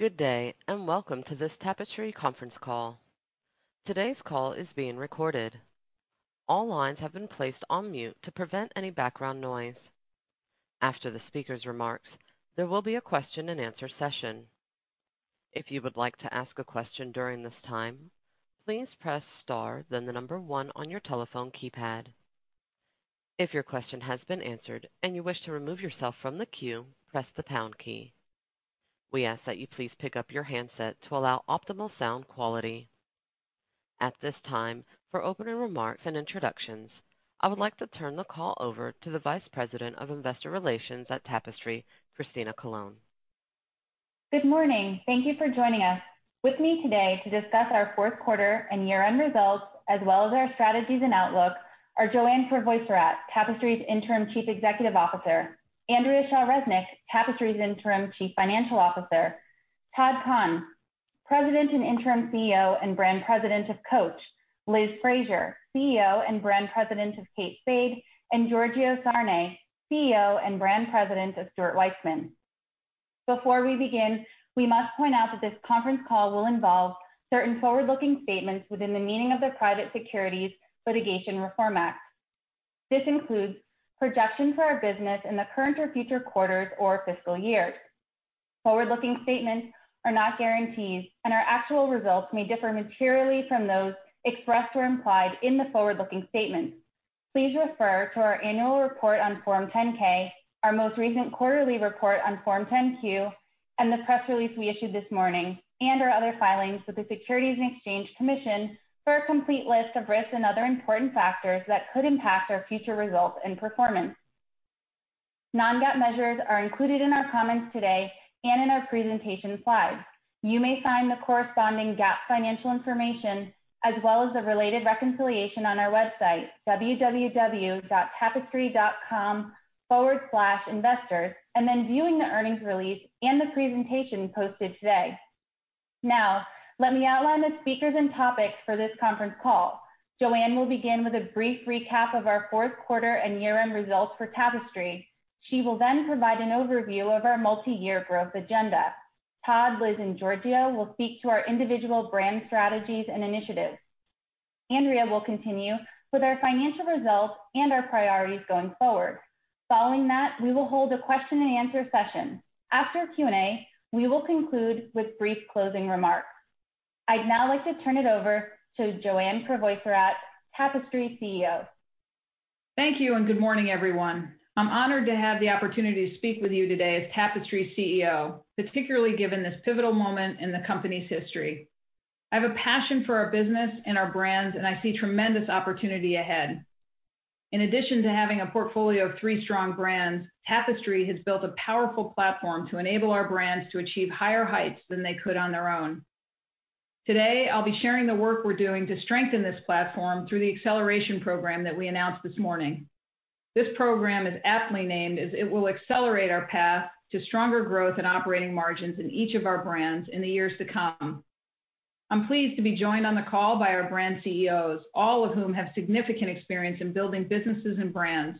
Good day. Welcome to this Tapestry conference call. Today's call is being recorded. All lines have been placed on mute to prevent any background noise. After the speaker's remarks, there will be a question and answer session. If you would like to ask a question during this time, please press star then the number one on your telephone keypad. If your question has been answered and you wish to remove yourself from the queue, press the pound key. We ask that you please pick up your handset to allow optimal sound quality. At this time, for opening remarks and introductions, I would like to turn the call over to the Vice President of Investor Relations at Tapestry, Christina Colone. Good morning. Thank you for joining us. With me today to discuss our fourth quarter and year-end results, as well as our strategies and outlook are Joanne Crevoiserat, Tapestry's Interim Chief Executive Officer, Andrea Shaw Resnick, Tapestry's Interim Chief Financial Officer, Todd Kahn, President and Interim CEO and Brand President of Coach, Liz Fraser, CEO and Brand President of Kate Spade, and Giorgio Sarné, CEO and Brand President of Stuart Weitzman. Before we begin, we must point out that this conference call will involve certain forward-looking statements within the meaning of the Private Securities Litigation Reform Act. This includes projections for our business in the current or future quarters or fiscal years. Forward-looking statements are not guarantees, and our actual results may differ materially from those expressed or implied in the forward-looking statements. Please refer to our annual report on Form 10-K, our most recent quarterly report on Form 10-Q, and the press release we issued this morning, and our other filings with the Securities and Exchange Commission for a complete list of risks and other important factors that could impact our future results and performance. Non-GAAP measures are included in our comments today and in our presentation slides. You may find the corresponding GAAP financial information as well as the related reconciliation on our website tapestry.com/investors viewing the earnings release and the presentation posted today. Let me outline the speakers and topics for this conference call. Joanne will begin with a brief recap of our fourth quarter and year-end results for Tapestry. She will provide an overview of our multi-year growth agenda. Todd, Liz, and Giorgio will speak to our individual brand strategies and initiatives. Andrea will continue with our financial results and our priorities going forward. Following that, we will hold a question and answer session. After Q&A, we will conclude with brief closing remarks. I'd now like to turn it over to Joanne Crevoiserat, Tapestry's CEO. Thank you, and good morning, everyone. I'm honored to have the opportunity to speak with you today as Tapestry's CEO, particularly given this pivotal moment in the company's history. I have a passion for our business and our brands, and I see tremendous opportunity ahead. In addition to having a portfolio of three strong brands, Tapestry has built a powerful platform to enable our brands to achieve higher heights than they could on their own. Today, I'll be sharing the work we're doing to strengthen this platform through the acceleration program that we announced this morning. This program is aptly named as it will accelerate our path to stronger growth and operating margins in each of our brands in the years to come. I'm pleased to be joined on the call by our brand CEOs, all of whom have significant experience in building businesses and brands.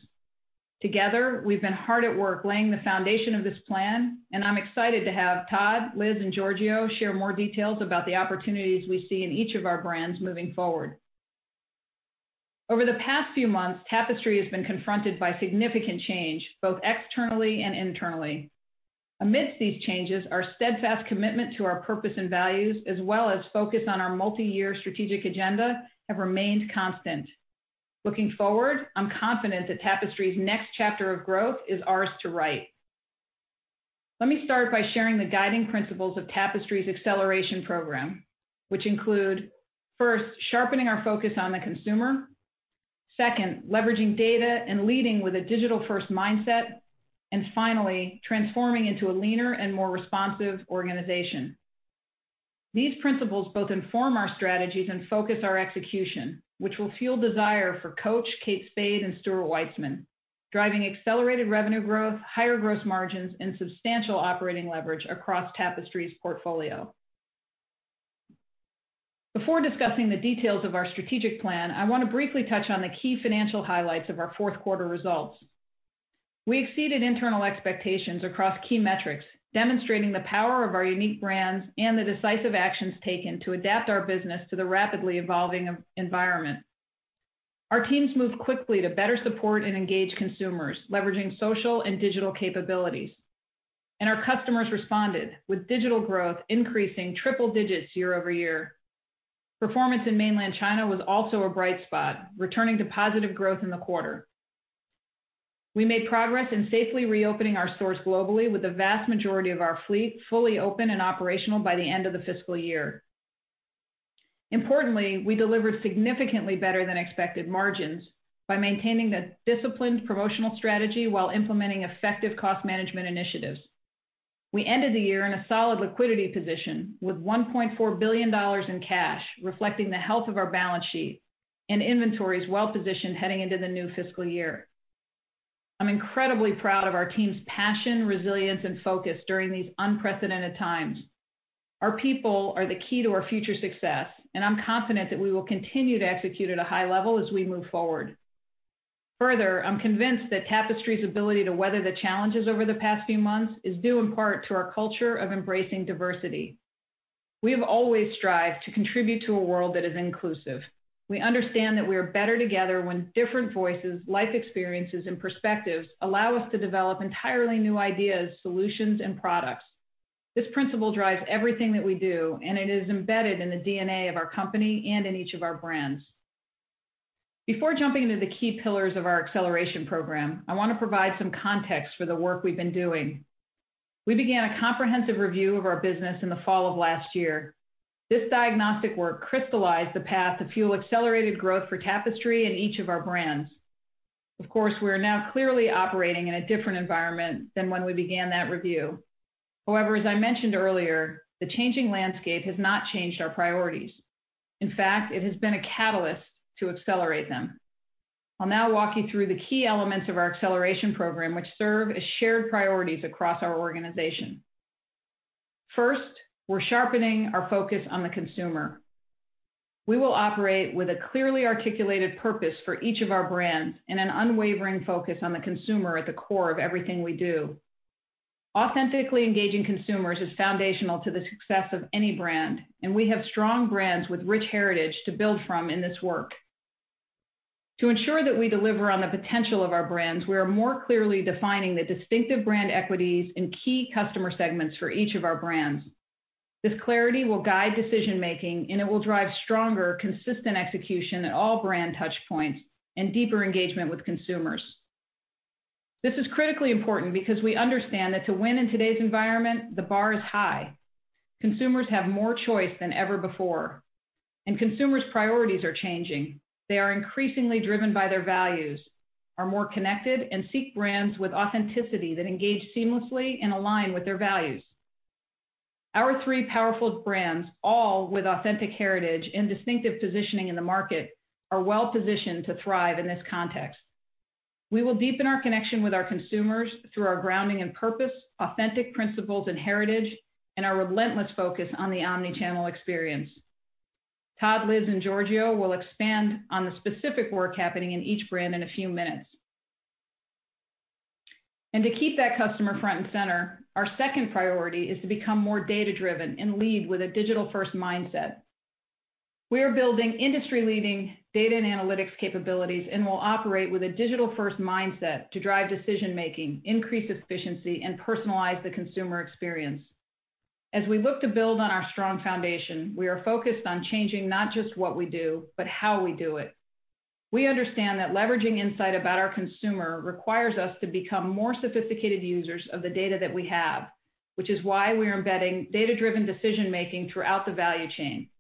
Together, we've been hard at work laying the foundation of this plan, and I'm excited to have Todd, Liz, and Giorgio share more details about the opportunities we see in each of our brands moving forward. Over the past few months, Tapestry has been confronted by significant change, both externally and internally. Amidst these changes, our steadfast commitment to our purpose and values, as well as focus on our multi-year strategic agenda, have remained constant. Looking forward, I'm confident that Tapestry's next chapter of growth is ours to write. Let me start by sharing the guiding principles of Tapestry's acceleration program, which include, first, sharpening our focus on the consumer, second, leveraging data and leading with a digital-first mindset, and finally, transforming into a leaner and more responsive organization. These principles both inform our strategies and focus our execution, which will fuel desire for Coach, Kate Spade, and Stuart Weitzman, driving accelerated revenue growth, higher gross margins, and substantial operating leverage across Tapestry's portfolio. Before discussing the details of our strategic plan, I want to briefly touch on the key financial highlights of our fourth quarter results. We exceeded internal expectations across key metrics, demonstrating the power of our unique brands and the decisive actions taken to adapt our business to the rapidly evolving environment. Our teams moved quickly to better support and engage consumers, leveraging social and digital capabilities, and our customers responded with digital growth increasing triple digits year-over-year. Performance in Mainland China was also a bright spot, returning to positive growth in the quarter. We made progress in safely reopening our stores globally with the vast majority of our fleet fully open and operational by the end of the fiscal year. Importantly, we delivered significantly better than expected margins by maintaining a disciplined promotional strategy while implementing effective cost management initiatives. We ended the year in a solid liquidity position with $1.4 billion in cash, reflecting the health of our balance sheet and inventories well-positioned heading into the new fiscal year. I'm incredibly proud of our team's passion, resilience, and focus during these unprecedented times. Our people are the key to our future success, and I'm confident that we will continue to execute at a high level as we move forward. Further, I'm convinced that Tapestry's ability to weather the challenges over the past few months is due in part to our culture of embracing diversity. We have always strived to contribute to a world that is inclusive. We understand that we are better together when different voices, life experiences, and perspectives allow us to develop entirely new ideas, solutions, and products. This principle drives everything that we do, and it is embedded in the DNA of our company and in each of our brands. Before jumping into the key pillars of our acceleration program, I want to provide some context for the work we've been doing. We began a comprehensive review of our business in the fall of last year. This diagnostic work crystallized the path to fuel accelerated growth for Tapestry in each of our brands. Of course, we are now clearly operating in a different environment than when we began that review. However, as I mentioned earlier, the changing landscape has not changed our priorities. In fact, it has been a catalyst to accelerate them. I'll now walk you through the key elements of our acceleration program, which serve as shared priorities across our organization. First, we're sharpening our focus on the consumer. We will operate with a clearly articulated purpose for each of our brands and an unwavering focus on the consumer at the core of everything we do. Authentically engaging consumers is foundational to the success of any brand, and we have strong brands with rich heritage to build from in this work. To ensure that we deliver on the potential of our brands, we are more clearly defining the distinctive brand equities and key customer segments for each of our brands. This clarity will guide decision-making, and it will drive stronger, consistent execution at all brand touch points and deeper engagement with consumers. This is critically important because we understand that to win in today's environment, the bar is high. Consumers have more choice than ever before, and consumers' priorities are changing. They are increasingly driven by their values, are more connected, and seek brands with authenticity that engage seamlessly and align with their values. Our three powerful brands, all with authentic heritage and distinctive positioning in the market, are well-positioned to thrive in this context. We will deepen our connection with our consumers through our grounding and purpose, authentic principles and heritage, and our relentless focus on the omni-channel experience. Todd, Liz, and Giorgio will expand on the specific work happening in each brand in a few minutes. To keep that customer front and center, our second priority is to become more data-driven and lead with a digital-first mindset. We are building industry-leading data and analytics capabilities and will operate with a digital-first mindset to drive decision-making, increase efficiency, and personalize the consumer experience. As we look to build on our strong foundation, we are focused on changing not just what we do, but how we do it. We understand that leveraging insight about our consumer requires us to become more sophisticated users of the data that we have, which is why we're embedding data-driven decision-making throughout the value chain.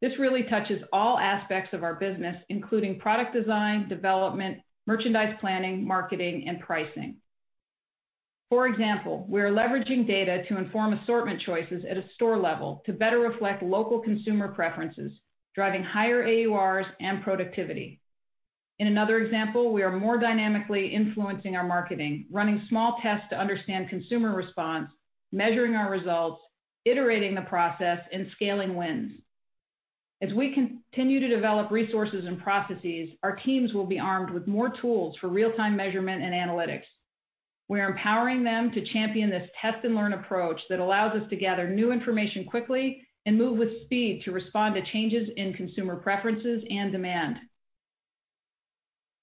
This really touches all aspects of our business, including product design, development, merchandise planning, marketing, and pricing. For example, we are leveraging data to inform assortment choices at a store level to better reflect local consumer preferences, driving higher AURs and productivity. In another example, we are more dynamically influencing our marketing, running small tests to understand consumer response, measuring our results, iterating the process, and scaling wins. As we continue to develop resources and processes, our teams will be armed with more tools for real-time measurement and analytics. We are empowering them to champion this test-and-learn approach that allows us to gather new information quickly and move with speed to respond to changes in consumer preferences and demand.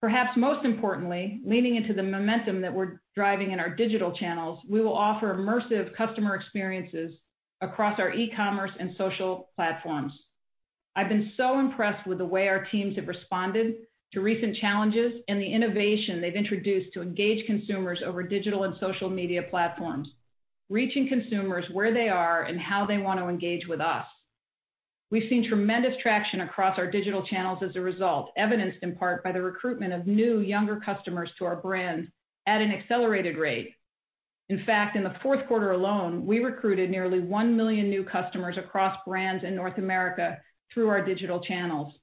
Perhaps most importantly, leaning into the momentum that we're driving in our digital channels, we will offer immersive customer experiences across our e-commerce and social platforms. I've been so impressed with the way our teams have responded to recent challenges and the innovation they've introduced to engage consumers over digital and social media platforms, reaching consumers where they are and how they want to engage with us. We've seen tremendous traction across our digital channels as a result, evidenced in part by the recruitment of new, younger customers to our brands at an accelerated rate. In fact, in the fourth quarter alone, we recruited nearly 1 million new customers across brands in North America through our digital channels.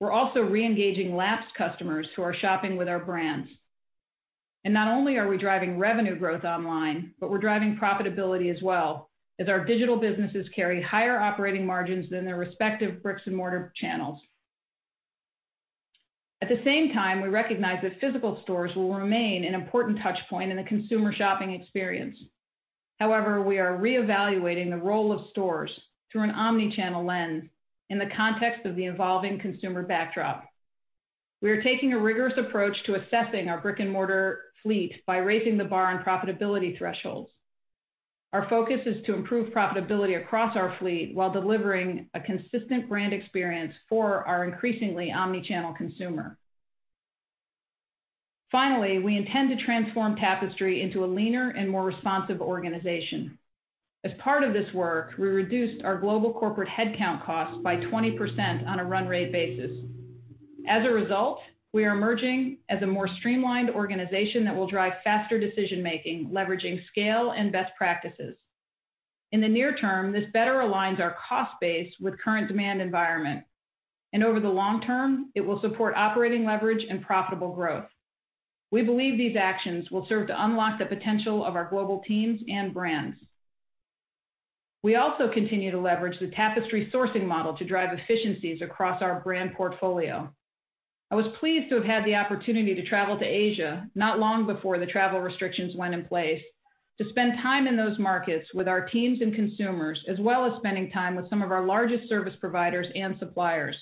We're also re-engaging lapsed customers who are shopping with our brands. Not only are we driving revenue growth online, but we're driving profitability as well as our digital businesses carry higher operating margins than their respective brick-and-mortar channels. At the same time, we recognize that physical stores will remain an important touch point in the consumer shopping experience. However, we are reevaluating the role of stores through an omni-channel lens in the context of the evolving consumer backdrop. We are taking a rigorous approach to assessing our brick-and-mortar fleet by raising the bar on profitability thresholds. Our focus is to improve profitability across our fleet while delivering a consistent brand experience for our increasingly omni-channel consumer. Finally, we intend to transform Tapestry into a leaner and more responsive organization. As part of this work, we reduced our global corporate headcount cost by 20% on a run rate basis. As a result, we are emerging as a more streamlined organization that will drive faster decision-making, leveraging scale and best practices. In the near term, this better aligns our cost base with current demand environment. Over the long term, it will support operating leverage and profitable growth. We believe these actions will serve to unlock the potential of our global teams and brands. We also continue to leverage the Tapestry sourcing model to drive efficiencies across our brand portfolio. I was pleased to have had the opportunity to travel to Asia not long before the travel restrictions went in place, to spend time in those markets with our teams and consumers, as well as spending time with some of our largest service providers and suppliers.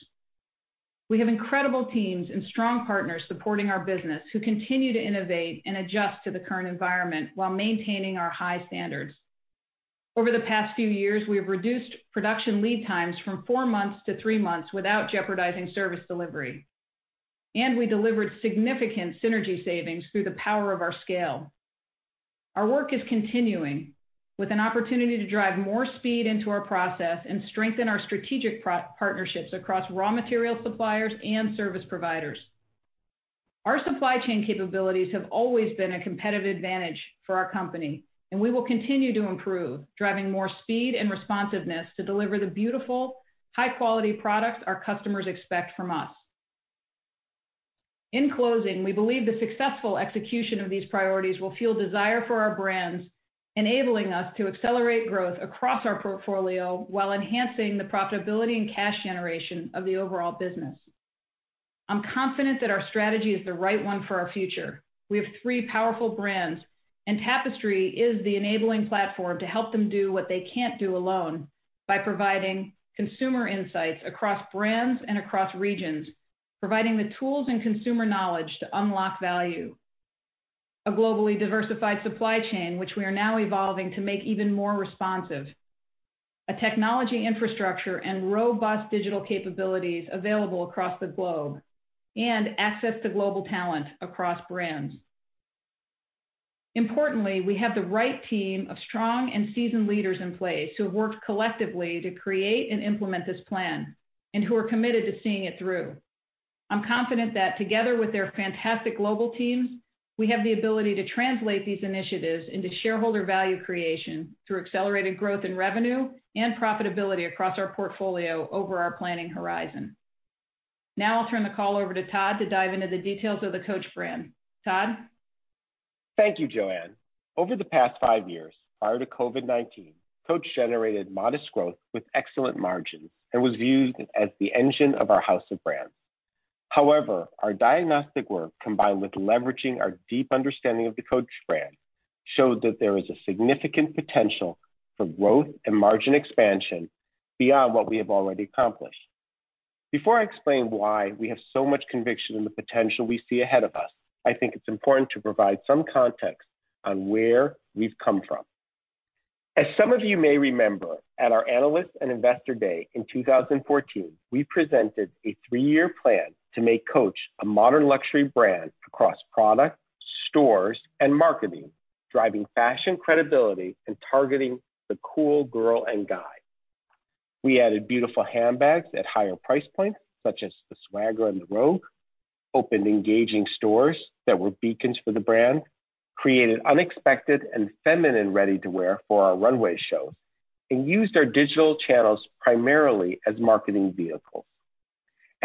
We have incredible teams and strong partners supporting our business who continue to innovate and adjust to the current environment while maintaining our high standards. Over the past few years, we have reduced production lead times from four months to three months without jeopardizing service delivery, and we delivered significant synergy savings through the power of our scale. Our work is continuing with an opportunity to drive more speed into our process and strengthen our strategic partnerships across raw material suppliers and service providers. Our supply chain capabilities have always been a competitive advantage for our company, and we will continue to improve, driving more speed and responsiveness to deliver the beautiful, high-quality products our customers expect from us. In closing, we believe the successful execution of these priorities will fuel desire for our brands, enabling us to accelerate growth across our portfolio while enhancing the profitability and cash generation of the overall business. I'm confident that our strategy is the right one for our future. We have three powerful brands, and Tapestry is the enabling platform to help them do what they can't do alone by providing consumer insights across brands and across regions, providing the tools and consumer knowledge to unlock value. A globally diversified supply chain, which we are now evolving to make even more responsive. A technology infrastructure and robust digital capabilities available across the globe, and access to global talent across brands. Importantly, we have the right team of strong and seasoned leaders in place who have worked collectively to create and implement this plan, and who are committed to seeing it through. I'm confident that together with their fantastic global teams, we have the ability to translate these initiatives into shareholder value creation through accelerated growth in revenue and profitability across our portfolio over our planning horizon. Now I'll turn the call over to Todd to dive into the details of the Coach brand. Todd? Thank you, Joanne. Over the past five years, prior to COVID-19, Coach generated modest growth with excellent margins and was viewed as the engine of our house of brands. However, our diagnostic work, combined with leveraging our deep understanding of the Coach brand, showed that there is a significant potential for growth and margin expansion beyond what we have already accomplished. Before I explain why we have so much conviction in the potential we see ahead of us, I think it's important to provide some context on where we've come from. As some of you may remember, at our Analyst and Investor Day in 2014, we presented a three-year plan to make Coach a modern luxury brand across product, stores, and marketing, driving fashion credibility and targeting the cool girl and guy. We added beautiful handbags at higher price points, such as the Swagger and the Rogue, opened engaging stores that were beacons for the brand, created unexpected and feminine ready-to-wear for our runway shows, and used our digital channels primarily as marketing vehicles.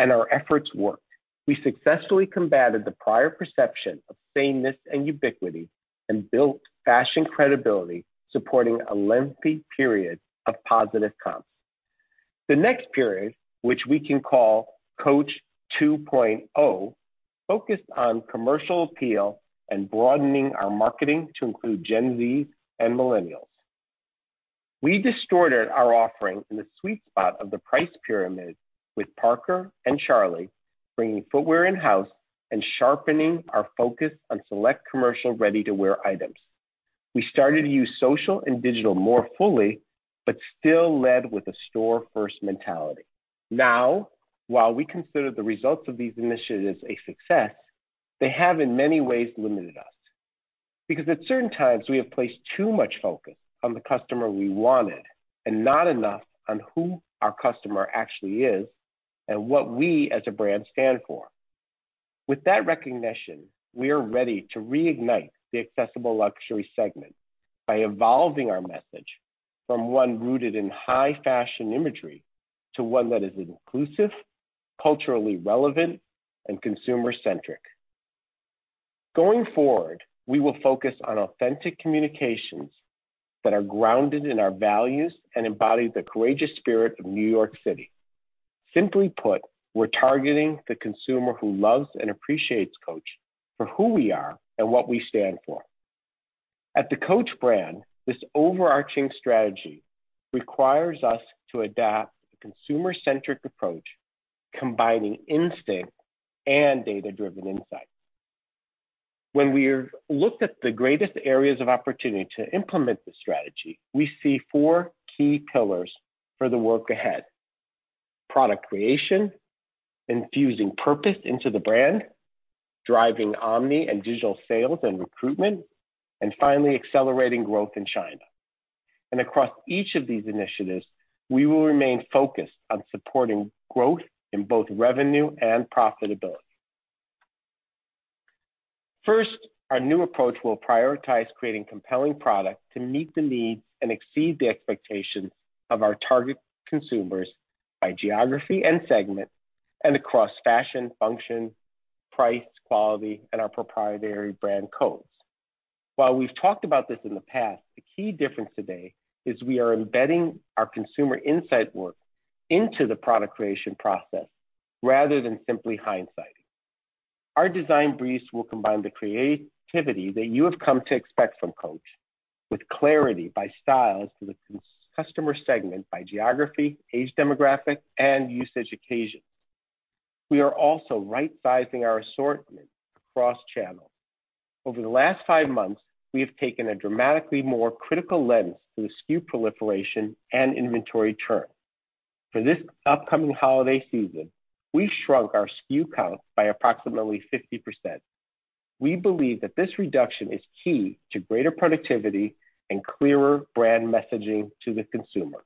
Our efforts worked. We successfully combated the prior perception of sameness and ubiquity and built fashion credibility, supporting a lengthy period of positive comps. The next period, which we can call Coach 2.0, focused on commercial appeal and broadening our marketing to include Gen Z and Millennials. We distorted our offering in the sweet spot of the price pyramid with Parker and Charlie, bringing footwear in-house and sharpening our focus on select commercial ready-to-wear items. We started to use social and digital more fully, but still led with a store-first mentality. Now, while we consider the results of these initiatives a success, they have in many ways limited us. At certain times, we have placed too much focus on the customer we wanted, and not enough on who our customer actually is and what we as a brand stand for. With that recognition, we are ready to reignite the accessible luxury segment by evolving our message from one rooted in high-fashion imagery to one that is inclusive, culturally relevant, and consumer-centric. Going forward, we will focus on authentic communications that are grounded in our values and embody the courageous spirit of New York City. Simply put, we're targeting the consumer who loves and appreciates Coach for who we are and what we stand for. At the Coach brand, this overarching strategy requires us to adapt a consumer-centric approach, combining instinct and data-driven insights. When we looked at the greatest areas of opportunity to implement this strategy, we see four key pillars for the work ahead. Product creation, infusing purpose into the brand, driving omni and digital sales and recruitment, and finally, accelerating growth in China. Across each of these initiatives, we will remain focused on supporting growth in both revenue and profitability. First, our new approach will prioritize creating compelling product to meet the needs and exceed the expectations of our target consumers by geography and segment and across fashion, function, price, quality, and our proprietary brand codes. While we've talked about this in the past, the key difference today is we are embedding our consumer insight work into the product creation process rather than simply hindsight. Our design briefs will combine the creativity that you have come to expect from Coach with clarity by styles to the customer segment by geography, age demographic, and usage occasions. We are also right-sizing our assortment cross-channel. Over the last five months, we have taken a dramatically more critical lens to the SKU proliferation and inventory turn. For this upcoming holiday season, we've shrunk our SKU count by approximately 50%. We believe that this reduction is key to greater productivity and clearer brand messaging to the consumer.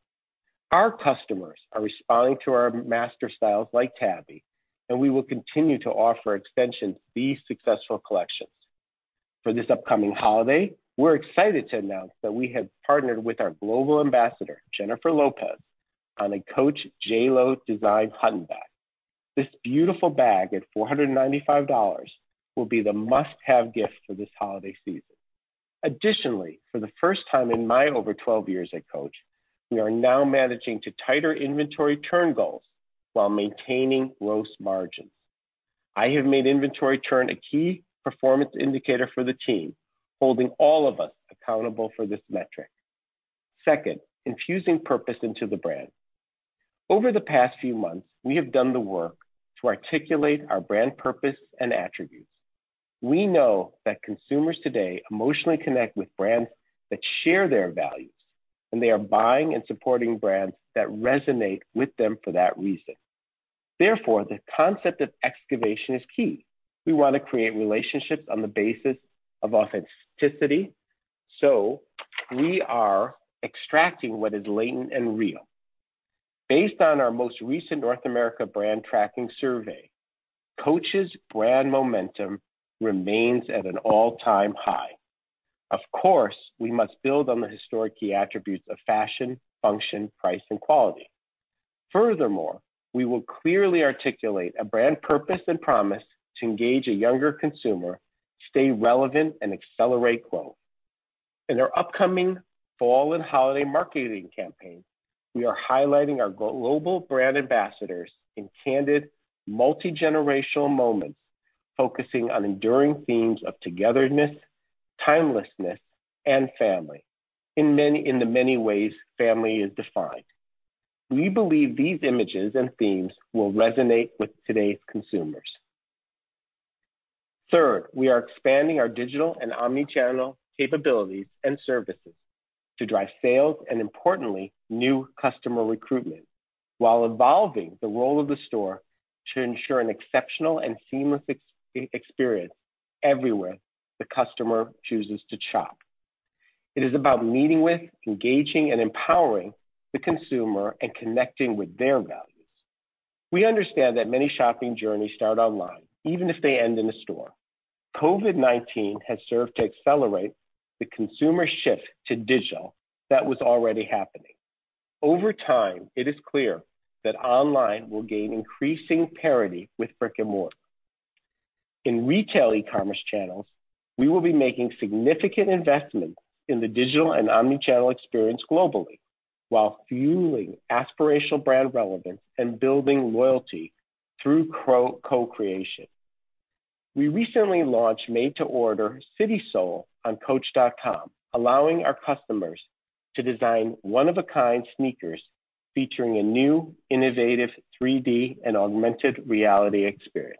Our customers are responding to our master styles like Tabby, and we will continue to offer extensions to these successful collections. For this upcoming holiday, we're excited to announce that we have partnered with our global ambassador, Jennifer Lopez, on a Coach x J.Lo design Hutton bag. This beautiful bag at $495 will be the must-have gift for this holiday season. Additionally, for the first time in my over 12 years at Coach, we are now managing to tighter inventory turn goals while maintaining gross margins. I have made inventory turn a key performance indicator for the team, holding all of us accountable for this metric. Second, infusing purpose into the brand. Over the past few months, we have done the work to articulate our brand purpose and attributes. We know that consumers today emotionally connect with brands that share their values, and they are buying and supporting brands that resonate with them for that reason. Therefore, the concept of excavation is key. We want to create relationships on the basis of authenticity, so we are extracting what is latent and real. Based on our most recent North America brand tracking survey, Coach's brand momentum remains at an all-time high. Of course, we must build on the historic key attributes of fashion, function, price, and quality. Furthermore, we will clearly articulate a brand purpose and promise to engage a younger consumer, stay relevant, and accelerate growth. In our upcoming fall and holiday marketing campaign, we are highlighting our global brand ambassadors in candid, multi-generational moments focusing on enduring themes of togetherness, timelessness, and family in the many ways family is defined. We believe these images and themes will resonate with today's consumers. Third, we are expanding our digital and omni-channel capabilities and services to drive sales and importantly, new customer recruitment, while evolving the role of the store to ensure an exceptional and seamless experience everywhere the customer chooses to shop. It is about meeting with, engaging, and empowering the consumer and connecting with their values. We understand that many shopping journeys start online, even if they end in a store. COVID-19 has served to accelerate the consumer shift to digital that was already happening. Over time, it is clear that online will gain increasing parity with brick-and-mortar. In retail e-commerce channels, we will be making significant investments in the digital and omni-channel experience globally, while fueling aspirational brand relevance and building loyalty through co-creation. We recently launched made-to-order CitySole on coach.com, allowing our customers to design one-of-a-kind sneakers featuring a new, innovative 3D and augmented reality experience.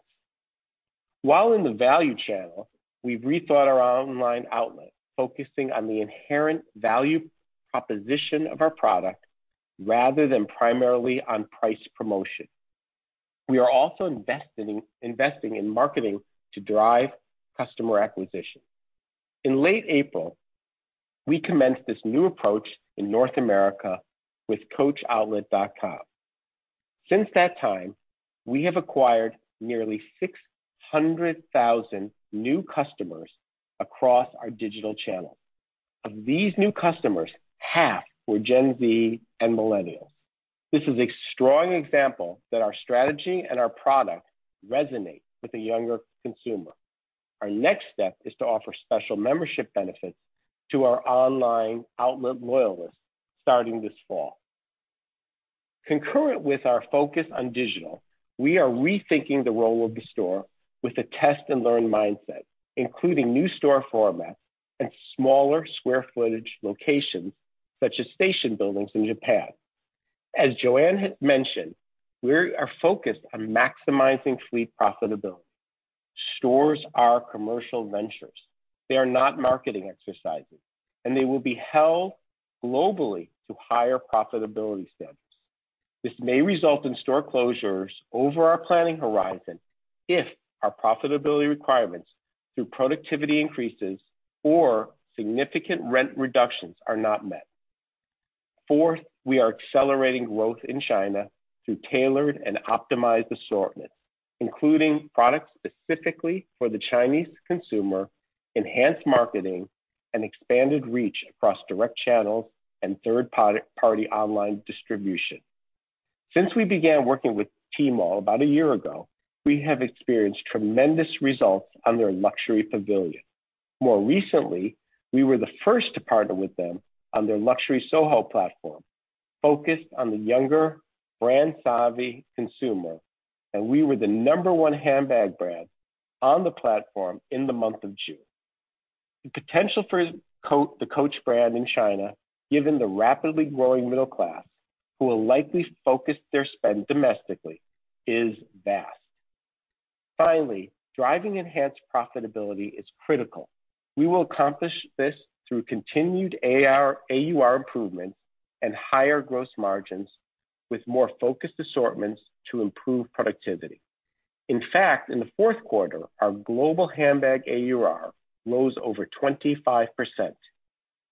While in the value channel, we've rethought our online outlet, focusing on the inherent value proposition of our product rather than primarily on price promotion. We are also investing in marketing to drive customer acquisition. In late April, we commenced this new approach in North America with coachoutlet.com. Since that time, we have acquired nearly 600,000 new customers across our digital channel. Of these new customers, half were Gen Z and Millennials. This is a strong example that our strategy and our product resonate with a younger consumer. Our next step is to offer special membership benefits to our online outlet loyalists starting this fall. Concurrent with our focus on digital, we are rethinking the role of the store with a test-and-learn mindset, including new store formats and smaller square footage locations such as station buildings in Japan. As Joanne had mentioned, we are focused on maximizing fleet profitability. Stores are commercial ventures. They are not marketing exercises, and they will be held globally to higher profitability standards. This may result in store closures over our planning horizon if our profitability requirements through productivity increases or significant rent reductions are not met. Fourth, we are accelerating growth in China through tailored and optimized assortments, including products specifically for the Chinese consumer, enhanced marketing, and expanded reach across direct channels and third-party online distribution. Since we began working with Tmall about a year ago, we have experienced tremendous results on their Luxury Pavilion. More recently, we were the first to partner with them on their Luxury Soho platform, focused on the younger brand-savvy consumer, and we were the number one handbag brand on the platform in the month of June. The potential for the Coach brand in China, given the rapidly growing middle class, who will likely focus their spend domestically, is vast. Finally, driving enhanced profitability is critical. We will accomplish this through continued AUR improvements and higher gross margins with more focused assortments to improve productivity. In fact, in the fourth quarter, our global handbag AUR rose over 25%.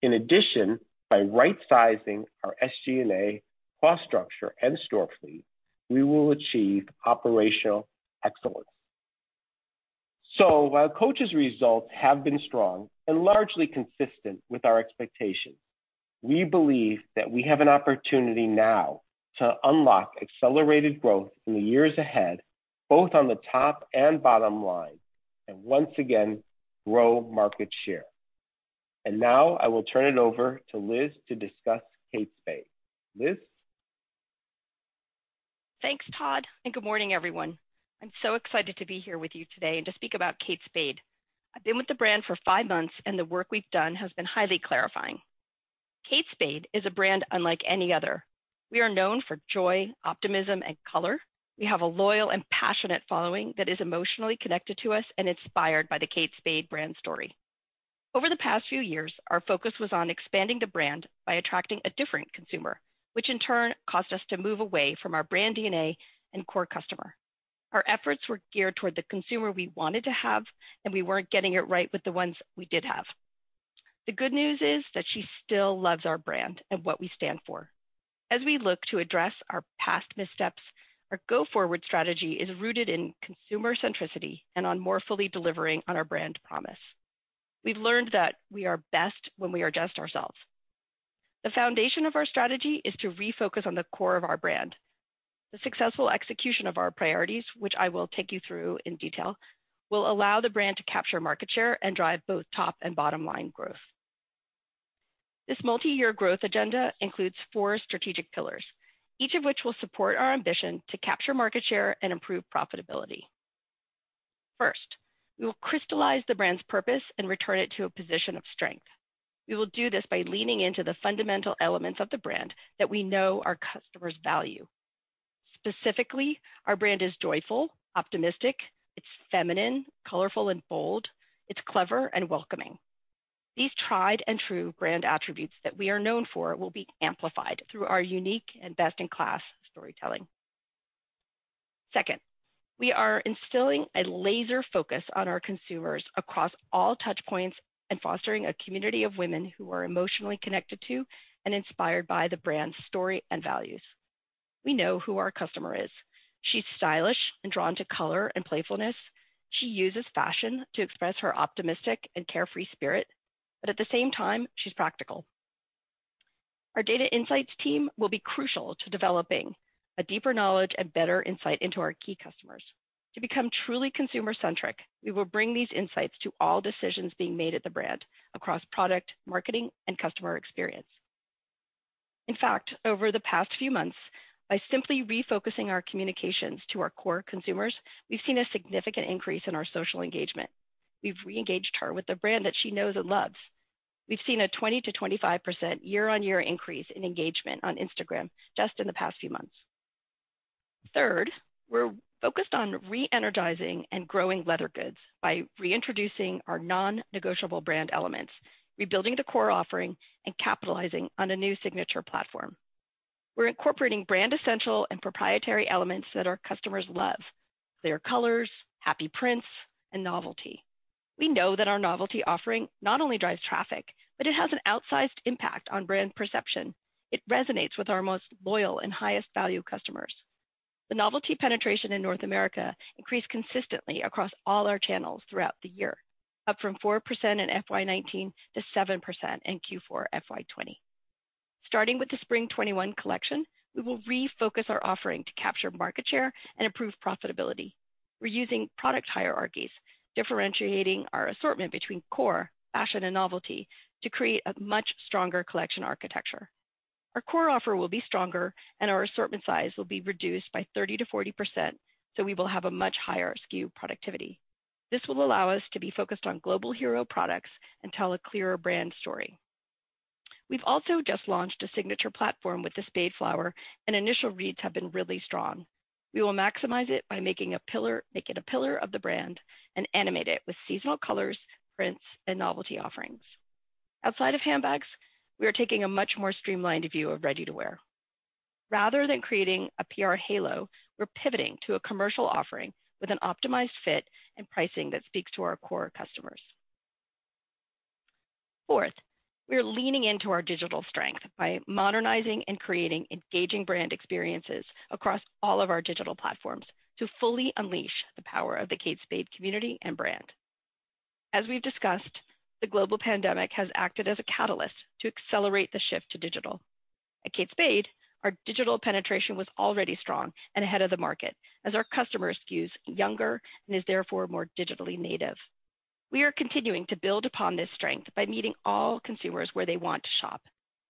In addition, by right-sizing our SG&A cost structure and store fleet, we will achieve operational excellence. While Coach's results have been strong and largely consistent with our expectations, we believe that we have an opportunity now to unlock accelerated growth in the years ahead, both on the top and bottom line, and once again grow market share. And now I will turn it over to Liz to discuss Kate Spade. Liz? Thanks, Todd. Good morning, everyone. I'm so excited to be here with you today and to speak about Kate Spade. I've been with the brand for five months, and the work we've done has been highly clarifying. Kate Spade is a brand unlike any other. We are known for joy, optimism, and color. We have a loyal and passionate following that is emotionally connected to us and inspired by the Kate Spade brand story. Over the past few years, our focus was on expanding the brand by attracting a different consumer, which in turn caused us to move away from our brand DNA and core customer. Our efforts were geared toward the consumer we wanted to have, and we weren't getting it right with the ones we did have. The good news is that she still loves our brand and what we stand for. As we look to address our past missteps, our go-forward strategy is rooted in consumer centricity and on more fully delivering on our brand promise. We've learned that we are best when we are just ourselves. The foundation of our strategy is to refocus on the core of our brand. The successful execution of our priorities, which I will take you through in detail, will allow the brand to capture market share and drive both top and bottom-line growth. This multi-year growth agenda includes four strategic pillars, each of which will support our ambition to capture market share and improve profitability. First, we will crystallize the brand's purpose and return it to a position of strength. We will do this by leaning into the fundamental elements of the brand that we know our customers value. Specifically, our brand is joyful, optimistic, it's feminine, colorful, and bold. It's clever and welcoming. These tried-and-true brand attributes that we are known for will be amplified through our unique and best-in-class storytelling. Second, we are instilling a laser focus on our consumers across all touch points and fostering a community of women who are emotionally connected to and inspired by the brand's story and values. We know who our customer is. She's stylish and drawn to color and playfulness. She uses fashion to express her optimistic and carefree spirit, but at the same time, she's practical. Our data insights team will be crucial to developing a deeper knowledge and better insight into our key customers. To become truly consumer-centric, we will bring these insights to all decisions being made at the brand across product, marketing, and customer experience. In fact, over the past few months, by simply refocusing our communications to our core consumers, we've seen a significant increase in our social engagement. We've re-engaged her with the brand that she knows and loves. We've seen a 20%-25% year-on-year increase in engagement on Instagram just in the past few months. Third, we're focused on re-energizing and growing leather goods by reintroducing our non-negotiable brand elements, rebuilding the core offering, and capitalizing on a new signature platform. We're incorporating brand essential and proprietary elements that our customers love, clear colors, happy prints, and novelty. We know that our novelty offering not only drives traffic, it has an outsized impact on brand perception. It resonates with our most loyal and highest-value customers. The novelty penetration in North America increased consistently across all our channels throughout the year, up from 4% in FY 2019 to 7% in Q4 FY 2020. Starting with the Spring 2021 collection, we will refocus our offering to capture market share and improve profitability. We're using product hierarchies, differentiating our assortment between core, fashion, and novelty to create a much stronger collection architecture. Our core offer will be stronger, and our assortment size will be reduced by 30%-40%. We will have a much higher SKU productivity. This will allow us to be focused on global hero products and tell a clearer brand story. We've also just launched a Signature platform with the Spade Flower, and initial reads have been really strong. We will maximize it by make it a pillar of the brand and animate it with seasonal colors, prints, and novelty offerings. Outside of handbags, we are taking a much more streamlined view of ready-to-wear. Rather than creating a PR halo, we're pivoting to a commercial offering with an optimized fit and pricing that speaks to our core customers. Fourth, we are leaning into our digital strength by modernizing and creating engaging brand experiences across all of our digital platforms to fully unleash the power of the Kate Spade community and brand. As we've discussed, the global pandemic has acted as a catalyst to accelerate the shift to digital. At Kate Spade, our digital penetration was already strong and ahead of the market as our customer skews younger and is therefore more digitally native. We are continuing to build upon this strength by meeting all consumers where they want to shop.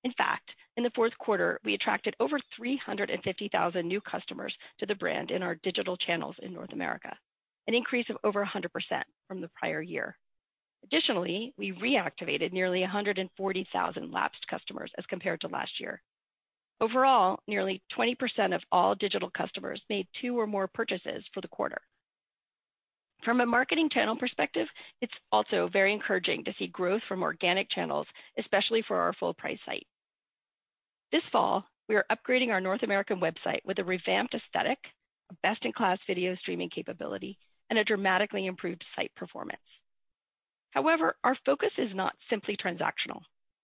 In fact, in the fourth quarter, we attracted over 350,000 new customers to the brand in our digital channels in North America, an increase of over 100% from the prior year. Additionally, we reactivated nearly 140,000 lapsed customers as compared to last year. Overall, nearly 20% of all digital customers made two or more purchases for the quarter. From a marketing channel perspective, it's also very encouraging to see growth from organic channels, especially for our full price site. This fall, we are upgrading our North American website with a revamped aesthetic, a best-in-class video streaming capability, and a dramatically improved site performance. However, our focus is not simply transactional.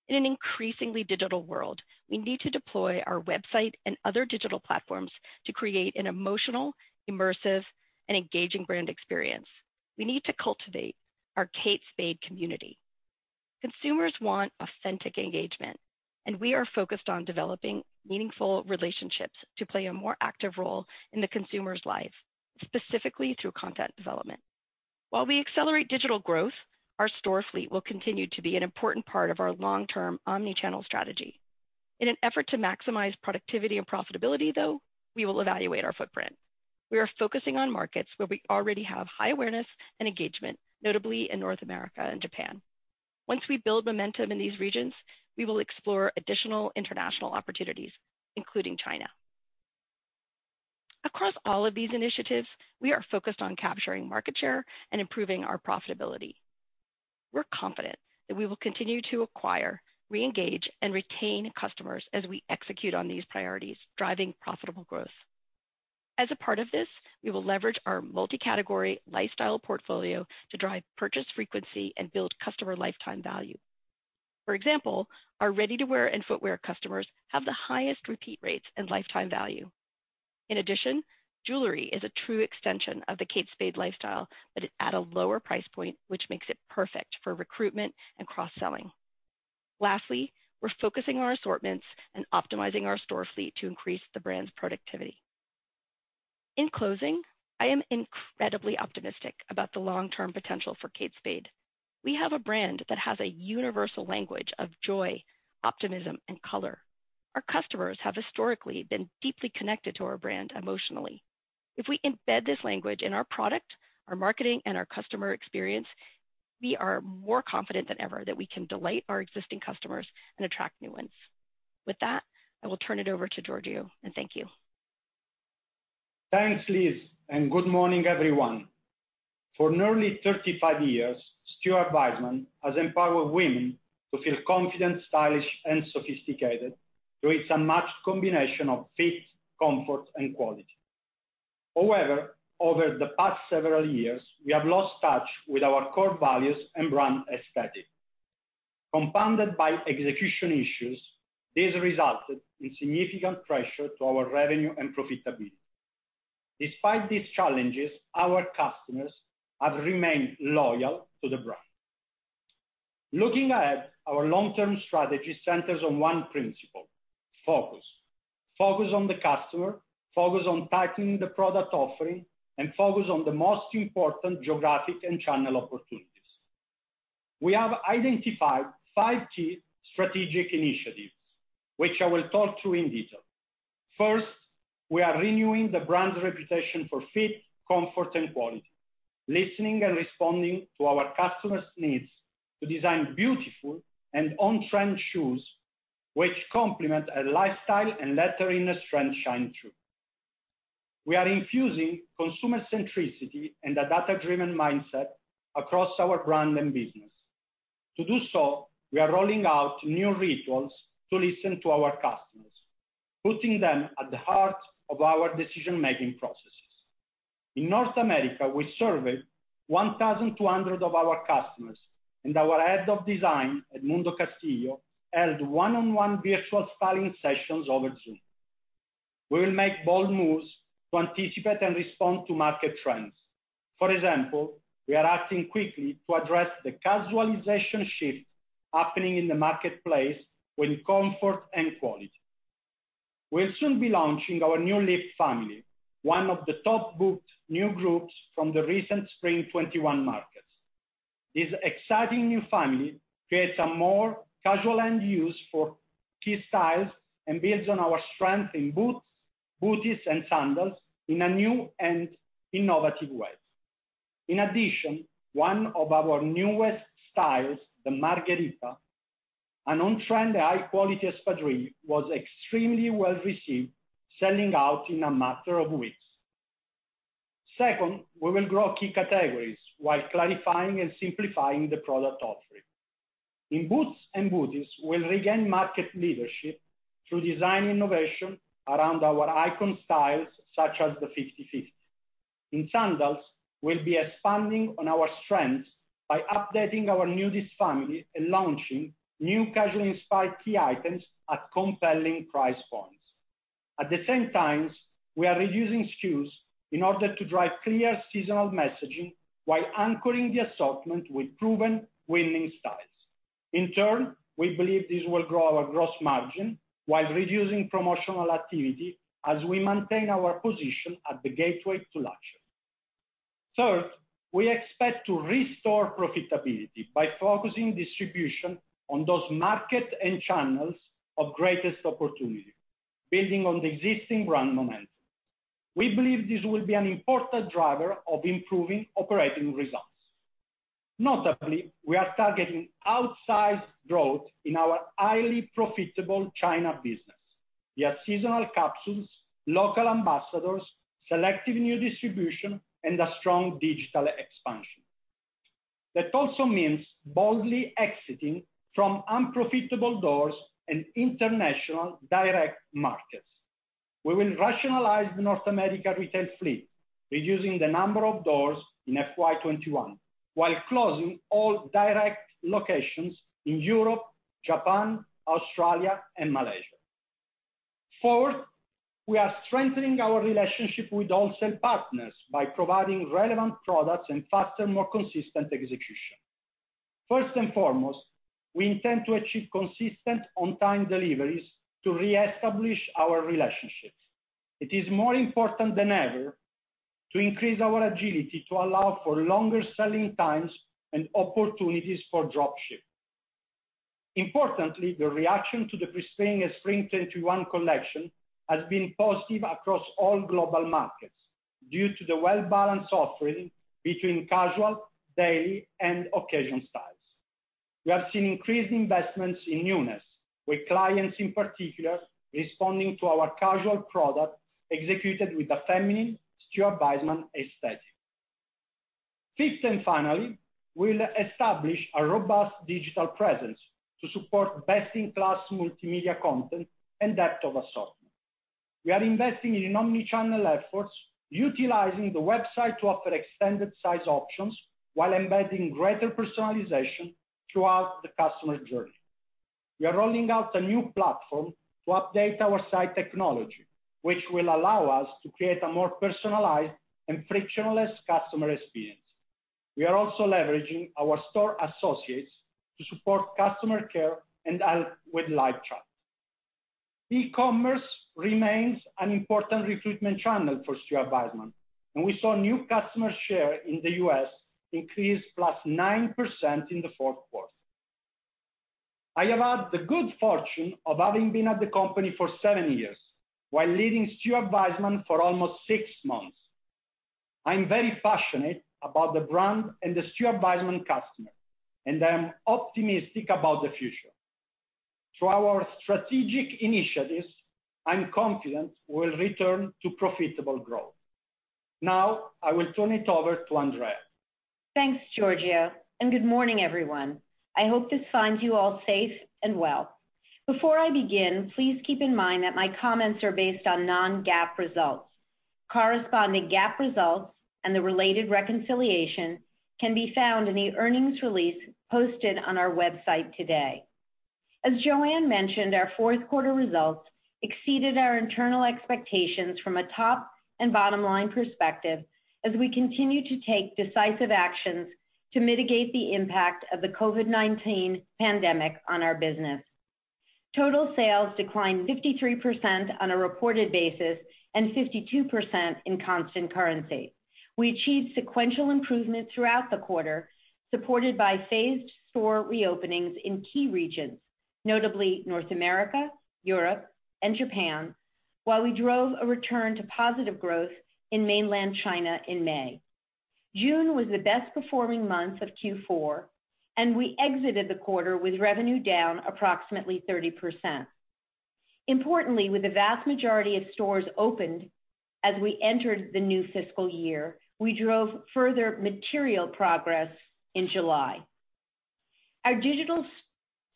In an increasingly digital world, we need to deploy our website and other digital platforms to create an emotional, immersive, and engaging brand experience. We need to cultivate our Kate Spade community. Consumers want authentic engagement, and we are focused on developing meaningful relationships to play a more active role in the consumer's life, specifically through content development. While we accelerate digital growth, our store fleet will continue to be an important part of our long-term omni-channel strategy. In an effort to maximize productivity and profitability, though, we will evaluate our footprint. We are focusing on markets where we already have high awareness and engagement, notably in North America and Japan. Once we build momentum in these regions, we will explore additional international opportunities, including China. Across all of these initiatives, we are focused on capturing market share and improving our profitability. We're confident that we will continue to acquire, re-engage, and retain customers as we execute on these priorities, driving profitable growth. As a part of this, we will leverage our multi-category lifestyle portfolio to drive purchase frequency and build customer lifetime value. For example, our ready-to-wear and footwear customers have the highest repeat rates and lifetime value. In addition, jewelry is a true extension of the Kate Spade lifestyle, but at a lower price point, which makes it perfect for recruitment and cross-selling. Lastly, we're focusing our assortments and optimizing our store fleet to increase the brand's productivity. In closing, I am incredibly optimistic about the long-term potential for Kate Spade. We have a brand that has a universal language of joy, optimism, and color. Our customers have historically been deeply connected to our brand emotionally. If we embed this language in our product, our marketing, and our customer experience, we are more confident than ever that we can delight our existing customers and attract new ones. With that, I will turn it over to Giorgio. And thank you. Thanks, Liz. Good morning, everyone. For nearly 35 years, Stuart Weitzman has empowered women to feel confident, stylish, and sophisticated through its unmatched combination of fit, comfort, and quality. However, over the past several years, we have lost touch with our core values and brand aesthetic. Compounded by execution issues, this resulted in significant pressure to our revenue and profitability. Despite these challenges, our customers have remained loyal to the brand. Looking ahead, our long-term strategy centers on one principle: focus. Focus on the customer, focus on tightening the product offering, and focus on the most important geographic and channel opportunities. We have identified five key strategic initiatives, which I will talk through in detail. First, we are renewing the brand's reputation for fit, comfort, and quality, listening and responding to our customers' needs to design beautiful and on-trend shoes which complement a lifestyle and letting the strength shine through. We are infusing consumer centricity and a data-driven mindset across our brand and business. To do so, we are rolling out new rituals to listen to our customers, putting them at the heart of our decision-making processes. In North America, we surveyed 1,200 of our customers, and our Head of Design, Edmundo Castillo, held one-on-one virtual styling sessions over Zoom. We will make bold moves to anticipate and respond to market trends. For example, we are acting quickly to address the casualization shift happening in the marketplace with comfort and quality. We'll soon be launching our Nudist family, one of the top-booked new groups from the recent Spring 2021 markets. This exciting new family creates a more casual end use for key styles and builds on our strength in boots, booties, and sandals in a new and innovative way. In addition, one of our newest styles, the Marguerita, an on-trend, high-quality espadrille, was extremely well-received, selling out in a matter of weeks. Second, we will grow key categories while clarifying and simplifying the product offering. In boots and booties, we'll regain market leadership through design innovation around our icon styles, such as the 5050. In sandals, we'll be expanding on our strengths by updating our Nudist family and launching new casual-inspired key items at compelling price points. At the same time, we are reducing SKUs in order to drive clear seasonal messaging while anchoring the assortment with proven winning styles. In turn, we believe this will grow our gross margin while reducing promotional activity as we maintain our position at the gateway to luxury. Third, we expect to restore profitability by focusing distribution on those markets and channels of greatest opportunity, building on the existing brand momentum. We believe this will be an important driver of improving operating results. Notably, we are targeting outsized growth in our highly profitable China business via seasonal capsules, local ambassadors, selective new distribution, and a strong digital expansion. That also means boldly exiting from unprofitable doors and international direct markets. We will rationalize the North America retail fleet, reducing the number of doors in FY2021 while closing all direct locations in Europe, Japan, Australia, and Malaysia. Fourth, we are strengthening our relationship with wholesale partners by providing relevant products and faster, more consistent execution. First and foremost, we intend to achieve consistent on-time deliveries to reestablish our relationships. It is more important than ever to increase our agility to allow for longer selling times and opportunities for drop ship. Importantly, the reaction to the pre-Spring and Spring 2021 collection has been positive across all global markets due to the well-balanced offering between casual, daily, and occasion styles. We have seen increased investments in newness, with clients in particular responding to our casual product executed with a feminine Stuart Weitzman aesthetic. Fifth and finally, we'll establish a robust digital presence to support best-in-class multimedia content and depth of assortment. We are investing in omnichannel efforts, utilizing the website to offer extended size options while embedding greater personalization throughout the customer journey. We are rolling out a new platform to update our site technology, which will allow us to create a more personalized and frictionless customer experience. We are also leveraging our store associates to support customer care and help with live chat. E-commerce remains an important recruitment channel for Stuart Weitzman, and we saw new customer share in the U.S. increase +9% in the fourth quarter. I have had the good fortune of having been at the company for seven years while leading Stuart Weitzman for almost six months. I'm very passionate about the brand and the Stuart Weitzman customer, and I am optimistic about the future. Through our strategic initiatives, I am confident we will return to profitable growth. Now, I will turn it over to Andrea. Thanks, Giorgio, and good morning, everyone. I hope this finds you all safe and well. Before I begin, please keep in mind that my comments are based on non-GAAP results. Corresponding GAAP results and the related reconciliation can be found in the earnings release posted on our website today. As Joanne mentioned, our fourth quarter results exceeded our internal expectations from a top and bottom-line perspective as we continue to take decisive actions to mitigate the impact of the COVID-19 pandemic on our business. Total sales declined 53% on a reported basis and 52% in constant currency. We achieved sequential improvement throughout the quarter, supported by phased store reopenings in key regions, notably North America, Europe, and Japan, while we drove a return to positive growth in Mainland China in May. June was the best-performing month of Q4, and we exited the quarter with revenue down approximately 30%. Importantly, with the vast majority of stores opened as we entered the new fiscal year, we drove further material progress in July. Our digital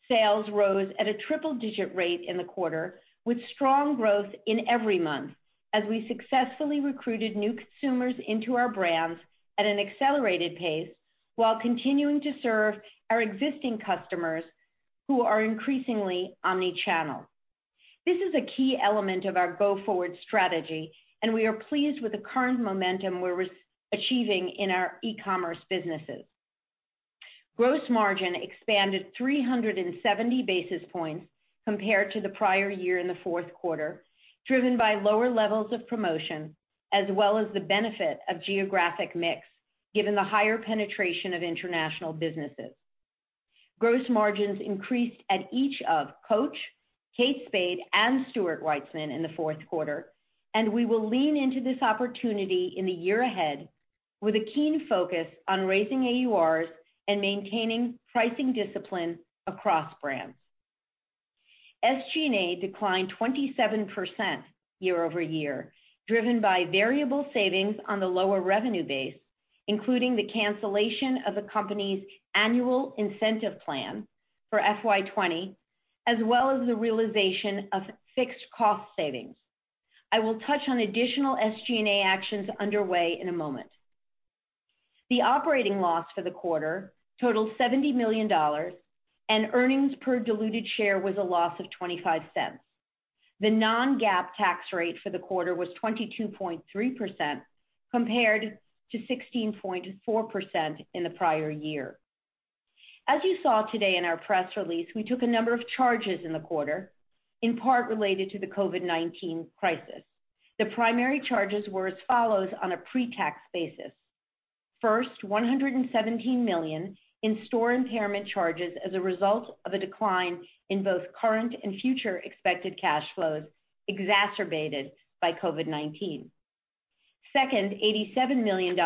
sales rose at a triple-digit rate in the quarter with strong growth in every month as we successfully recruited new consumers into our brands at an accelerated pace while continuing to serve our existing customers, who are increasingly omnichannel. This is a key element of our go-forward strategy, and we are pleased with the current momentum we're achieving in our e-commerce businesses. Gross margin expanded 370 basis points compared to the prior year in the fourth quarter, driven by lower levels of promotion as well as the benefit of geographic mix, given the higher penetration of international businesses. Gross margins increased at each of Coach, Kate Spade, and Stuart Weitzman in the fourth quarter. We will lean into this opportunity in the year ahead with a keen focus on raising AURs and maintaining pricing discipline across brands. SG&A declined 27% year-over-year, driven by variable savings on the lower revenue base, including the cancellation of the company's annual incentive plan for FY 2020, as well as the realization of fixed cost savings. I will touch on additional SG&A actions underway in a moment. The operating loss for the quarter totaled $70 million, and earnings per diluted share was a loss of $0.25. The non-GAAP tax rate for the quarter was 22.3%, compared to 16.4% in the prior year. As you saw today in our press release, we took a number of charges in the quarter, in part related to the COVID-19 crisis. The primary charges were as follows on a pre-tax basis. First, $117 million in store impairment charges as a result of a decline in both current and future expected cash flows, exacerbated by COVID-19. Second, $87 million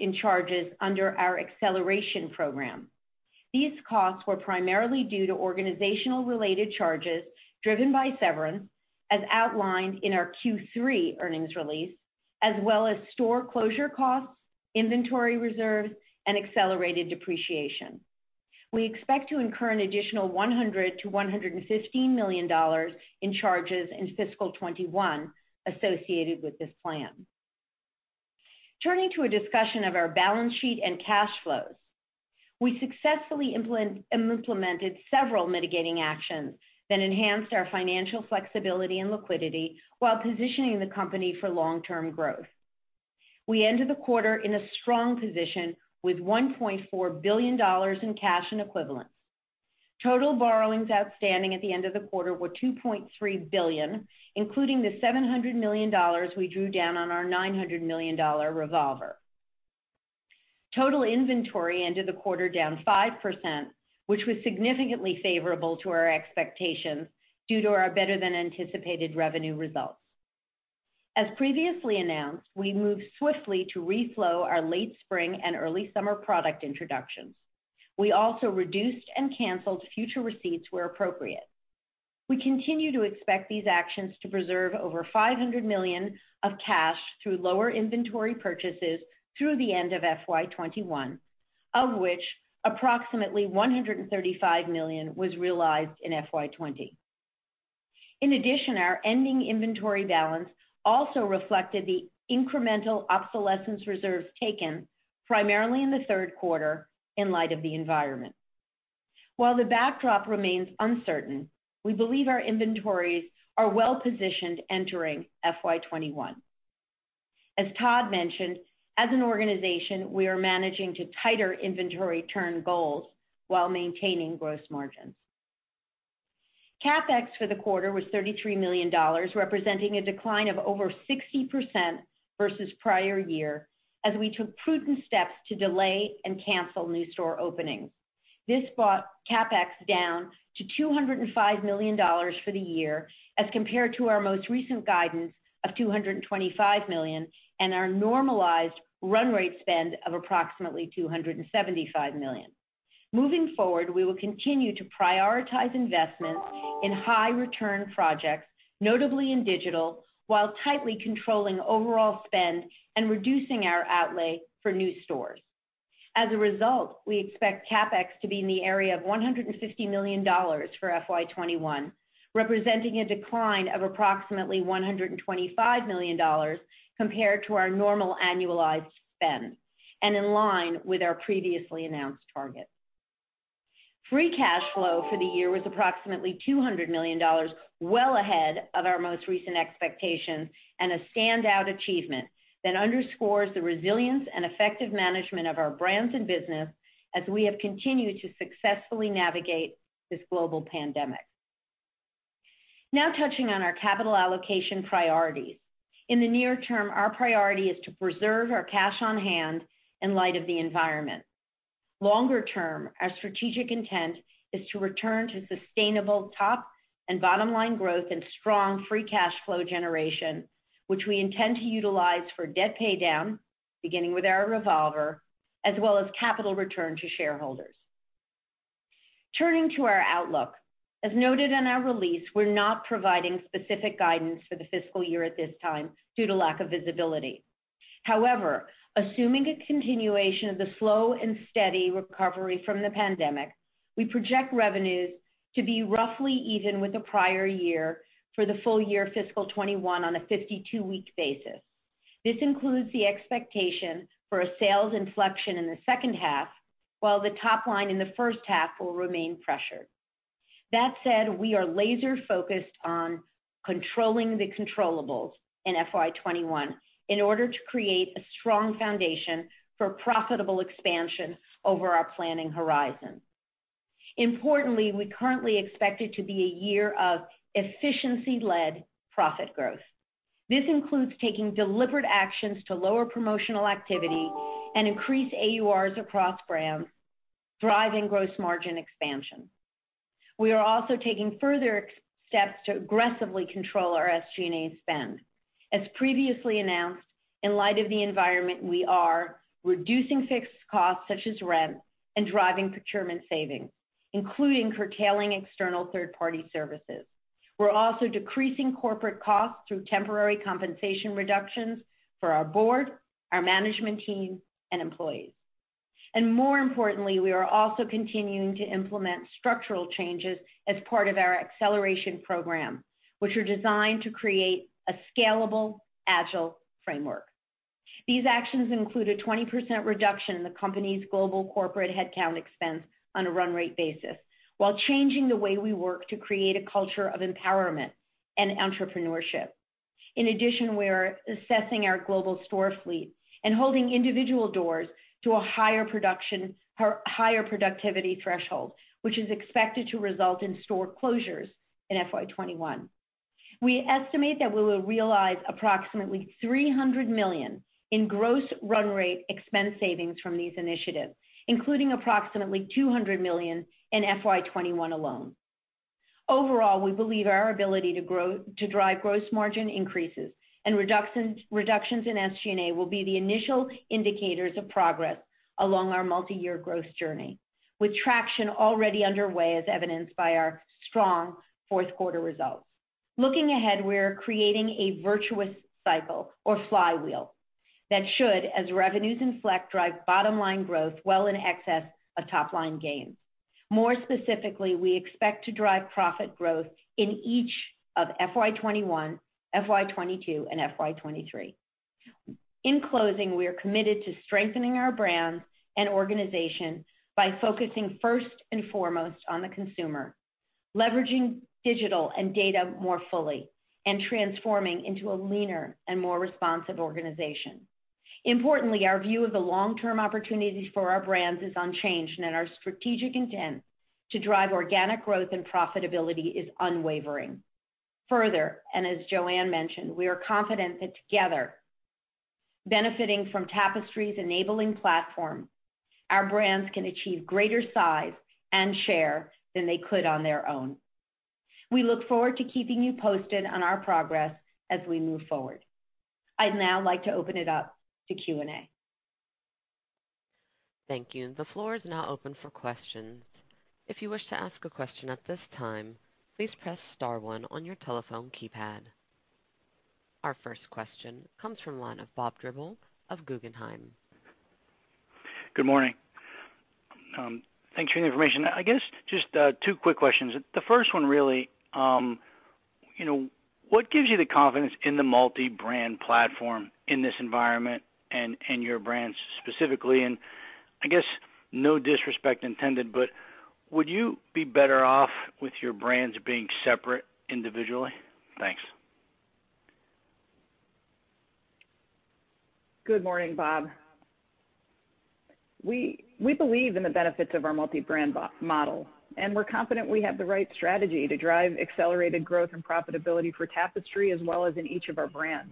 in charges under our acceleration program. These costs were primarily due to organizational-related charges driven by severance, as outlined in our Q3 earnings release, as well as store closure costs, inventory reserves, and accelerated depreciation. We expect to incur an additional $100 million-$115 million in charges in fiscal 2021 associated with this plan. Turning to a discussion of our balance sheet and cash flows. We successfully implemented several mitigating actions that enhanced our financial flexibility and liquidity while positioning the company for long-term growth. We ended the quarter in a strong position with $1.4 billion in cash and equivalents. Total borrowings outstanding at the end of the quarter were $2.3 billion, including the $700 million we drew down on our $900 million revolver. Total inventory ended the quarter down 5%, which was significantly favorable to our expectations due to our better-than-anticipated revenue results. As previously announced, we moved swiftly to reflow our late spring and early summer product introductions. We also reduced and canceled future receipts where appropriate. We continue to expect these actions to preserve over $500 million of cash through lower inventory purchases through the end of FY2021, of which approximately $135 million was realized in FY2020. In addition, our ending inventory balance also reflected the incremental obsolescence reserves taken primarily in the third quarter in light of the environment. While the backdrop remains uncertain, we believe our inventories are well-positioned entering FY2021. As Todd mentioned, as an organization, we are managing to tighter inventory turn goals while maintaining gross margins. CapEx for the quarter was $33 million, representing a decline of over 60% versus prior year as we took prudent steps to delay and cancel new store openings. This brought CapEx down to $205 million for the year as compared to our most recent guidance of $225 million and our normalized run rate spend of approximately $275 million. Moving forward, we will continue to prioritize investments in high-return projects, notably in digital, while tightly controlling overall spend and reducing our outlay for new stores. As a result, we expect CapEx to be in the area of $150 million for FY 2021, representing a decline of approximately $125 million compared to our normal annualized spend and in line with our previously announced target. Free cash flow for the year was approximately $200 million, well ahead of our most recent expectations and a standout achievement that underscores the resilience and effective management of our brands and business as we have continued to successfully navigate this global pandemic. Now touching on our capital allocation priorities. In the near term, our priority is to preserve our cash on hand in light of the environment. Longer term, our strategic intent is to return to sustainable top and bottom-line growth and strong free cash flow generation, which we intend to utilize for debt paydown, beginning with our revolver, as well as capital return to shareholders. Turning to our outlook. As noted in our release, we're not providing specific guidance for the fiscal year at this time due to lack of visibility. However, assuming a continuation of the slow and steady recovery from the pandemic, we project revenues to be roughly even with the prior year for the full year fiscal 2021 on a 52-week basis. This includes the expectation for a sales inflection in the second half, while the top line in the first half will remain pressured. That said, we are laser-focused on controlling the controllables in FY 2021 in order to create a strong foundation for profitable expansion over our planning horizon. Importantly, we currently expect it to be a year of efficiency-led profit growth. This includes taking deliberate actions to lower promotional activity and increase AURs across brands, driving gross margin expansion. We are also taking further steps to aggressively control our SG&A spend. As previously announced, in light of the environment, we are reducing fixed costs such as rent and driving procurement savings, including curtailing external third-party services. We are also decreasing corporate costs through temporary compensation reductions for our board, our management team, and employees. More importantly, we are also continuing to implement structural changes as part of our acceleration program, which are designed to create a scalable, agile framework. These actions include a 20% reduction in the company's global corporate headcount expense on a run rate basis while changing the way we work to create a culture of empowerment and entrepreneurship. In addition, we are assessing our global store fleet and holding individual doors to a higher productivity threshold, which is expected to result in store closures in FY2021. We estimate that we will realize approximately $300 million in gross run rate expense savings from these initiatives, including approximately $200 million in FY2021 alone. Overall, we believe our ability to drive gross margin increases and reductions in SG&A will be the initial indicators of progress along our multi-year growth journey, with traction already underway, as evidenced by our strong fourth quarter results. Looking ahead, we are creating a virtuous cycle or flywheel that should, as revenues inflect, drive bottom-line growth well in excess of top-line gains. More specifically, we expect to drive profit growth in each of FY2021, FY2022 and FY2023. In closing, we are committed to strengthening our brands and organization by focusing first and foremost on the consumer, leveraging digital and data more fully, and transforming into a leaner and more responsive organization. Importantly, our view of the long-term opportunities for our brands is unchanged, and our strategic intent to drive organic growth and profitability is unwavering. Further, as Joanne mentioned, we are confident that together, benefiting from Tapestry's enabling platform, our brands can achieve greater size and share than they could on their own. We look forward to keeping you posted on our progress as we move forward. I'd now like to open it up to Q&A. Thank you. The floor is now open for questions. If you wish to ask a question at this time, please press star one on your telephone keypad. Our first question comes from the line of Bob Drbul of Guggenheim. Good morning. Thanks for the information. I guess just two quick questions. The first one, really, what gives you the confidence in the multi-brand platform in this environment and your brands specifically? I guess no disrespect intended, but would you be better off with your brands being separate individually? Thanks. Good morning, Bob. We believe in the benefits of our multi-brand model, and we're confident we have the right strategy to drive accelerated growth and profitability for Tapestry as well as in each of our brands.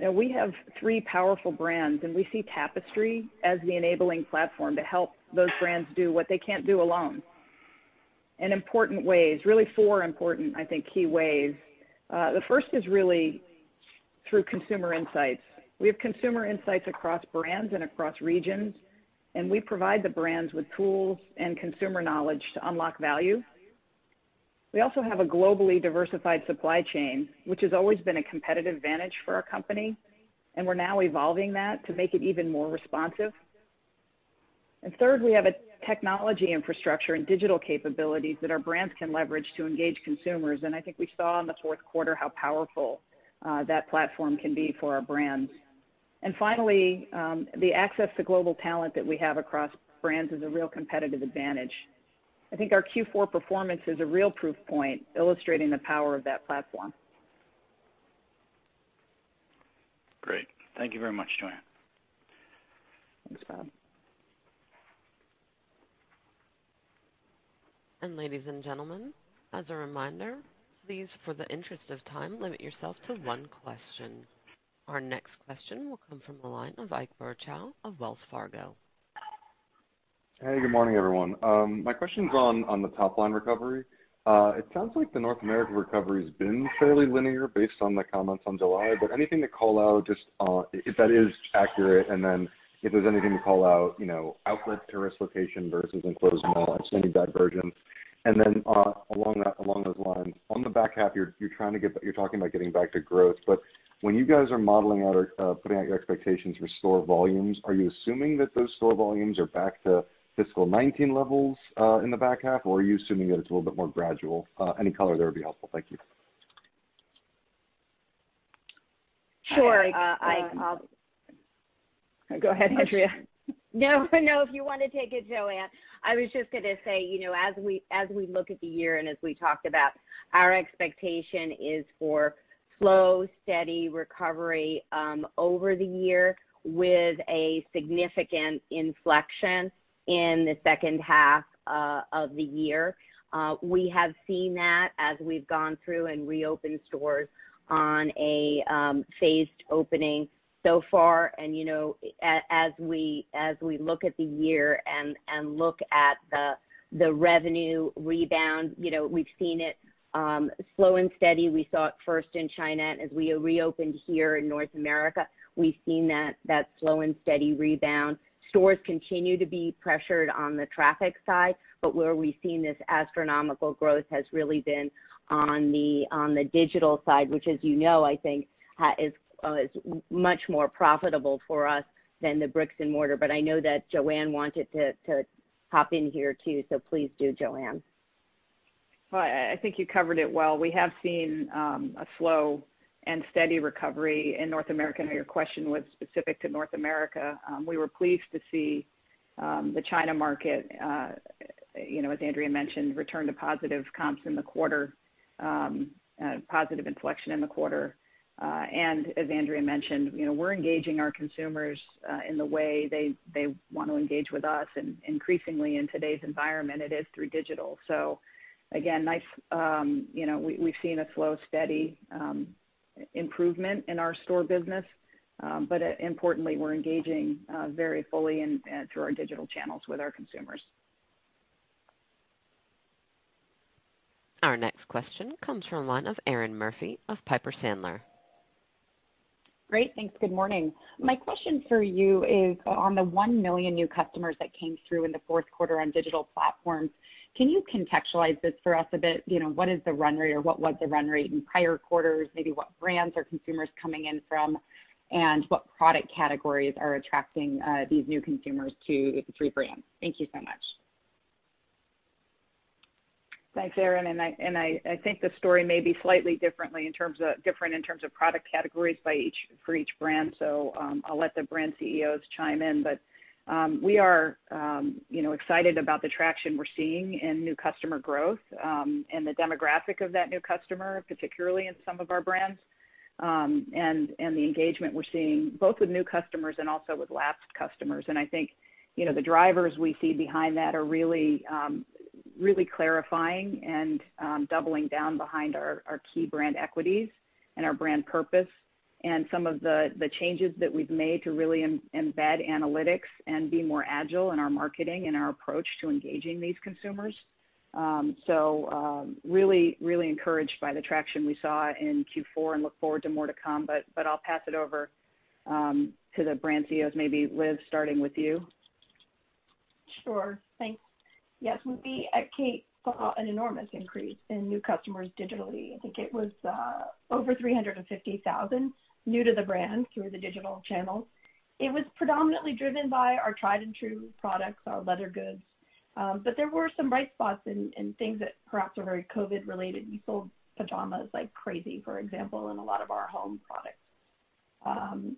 We have three powerful brands, and we see Tapestry as the enabling platform to help those brands do what they can't do alone in important ways, really four important, I think, key ways. The first is really through consumer insights. We have consumer insights across brands and across regions, and we provide the brands with tools and consumer knowledge to unlock value. We also have a globally diversified supply chain, which has always been a competitive advantage for our company, and we're now evolving that to make it even more responsive. And third, we have a technology infrastructure and digital capabilities that our brands can leverage to engage consumers. I think we saw in the fourth quarter how powerful that platform can be for our brands. Finally, the access to global talent that we have across brands is a real competitive advantage. I think our Q4 performance is a real proof point illustrating the power of that platform. Great. Thank you very much, Joanne. Thanks, Bob. Ladies and gentlemen, as a reminder, please, for the interest of time, limit yourself to one question. Our next question will come from the line of Ike Boruchow of Wells Fargo. Hey, good morning, everyone. My question's on the top-line recovery. It sounds like the North America recovery has been fairly linear based on the comments on July. Anything to call out just if that is accurate, and then if there's anything to call out, outlet tourist location versus enclosed mall, any divergence? Along those lines, on the back half, you're talking about getting back to growth. When you guys are modeling out or putting out your expectations for store volumes, are you assuming that those store volumes are back to FY2019 levels in the back half, or are you assuming that it's a little bit more gradual? Any color there would be helpful. Thank you. Sure, Ike. Go ahead, Andrea. No, if you want to take it, Joanne. I was just going to say, as we look at the year and as we talked about, our expectation is for slow, steady recovery over the year with a significant inflection in the second half of the year. We have seen that as we've gone through and reopened stores on a phased opening so far. As we look at the year and look at the revenue rebound, we've seen it slow and steady. We saw it first in China. As we reopened here in North America, we've seen that slow and steady rebound. Stores continue to be pressured on the traffic side, but where we've seen this astronomical growth has really been on the digital side, which as you know, I think is much more profitable for us than the bricks and mortar. I know that Joanne wanted to hop in here too, please do, Joanne. Well, I think you covered it well. We have seen a slow and steady recovery in North America. I know your question was specific to North America. We were pleased to see the China market, as Andrea mentioned, return to positive comps in the quarter, positive inflection in the quarter. As Andrea mentioned, we're engaging our consumers in the way they want to engage with us, and increasingly in today's environment, it is through digital. Again, we've seen a slow, steady improvement in our store business. Importantly, we're engaging very fully through our digital channels with our consumers. Our next question comes from the line of Erinn Murphy of Piper Sandler. Great. Thanks. Good morning. My question for you is on the 1 million new customers that came through in the fourth quarter on digital platforms, can you contextualize this for us a bit? What is the run rate or what was the run rate in prior quarters? Maybe what brands are consumers coming in from, and what product categories are attracting these new consumers to the three brands? Thank you so much. Thanks, Erinn. I think the story may be slightly different in terms of product categories for each brand. I'll let the brand CEOs chime in, but we are excited about the traction we're seeing in new customer growth, and the demographic of that new customer, particularly in some of our brands. The engagement we're seeing both with new customers and also with lapsed customers. I think the drivers we see behind that are really clarifying and doubling down behind our key brand equities and our brand purpose, and some of the changes that we've made to really embed analytics and be more agile in our marketing and our approach to engaging these consumers. Really encouraged by the traction we saw in Q4 and look forward to more to come, but I'll pass it over to the brand CEOs, maybe Liz, starting with you. Sure. Thanks. Yes, we at Kate saw an enormous increase in new customers digitally. I think it was over 350,000 new to the brand through the digital channels. It was predominantly driven by our tried and true products, our leather goods. There were some bright spots in things that perhaps are very COVID-19 related. We sold pajamas like crazy, for example, and a lot of our home products.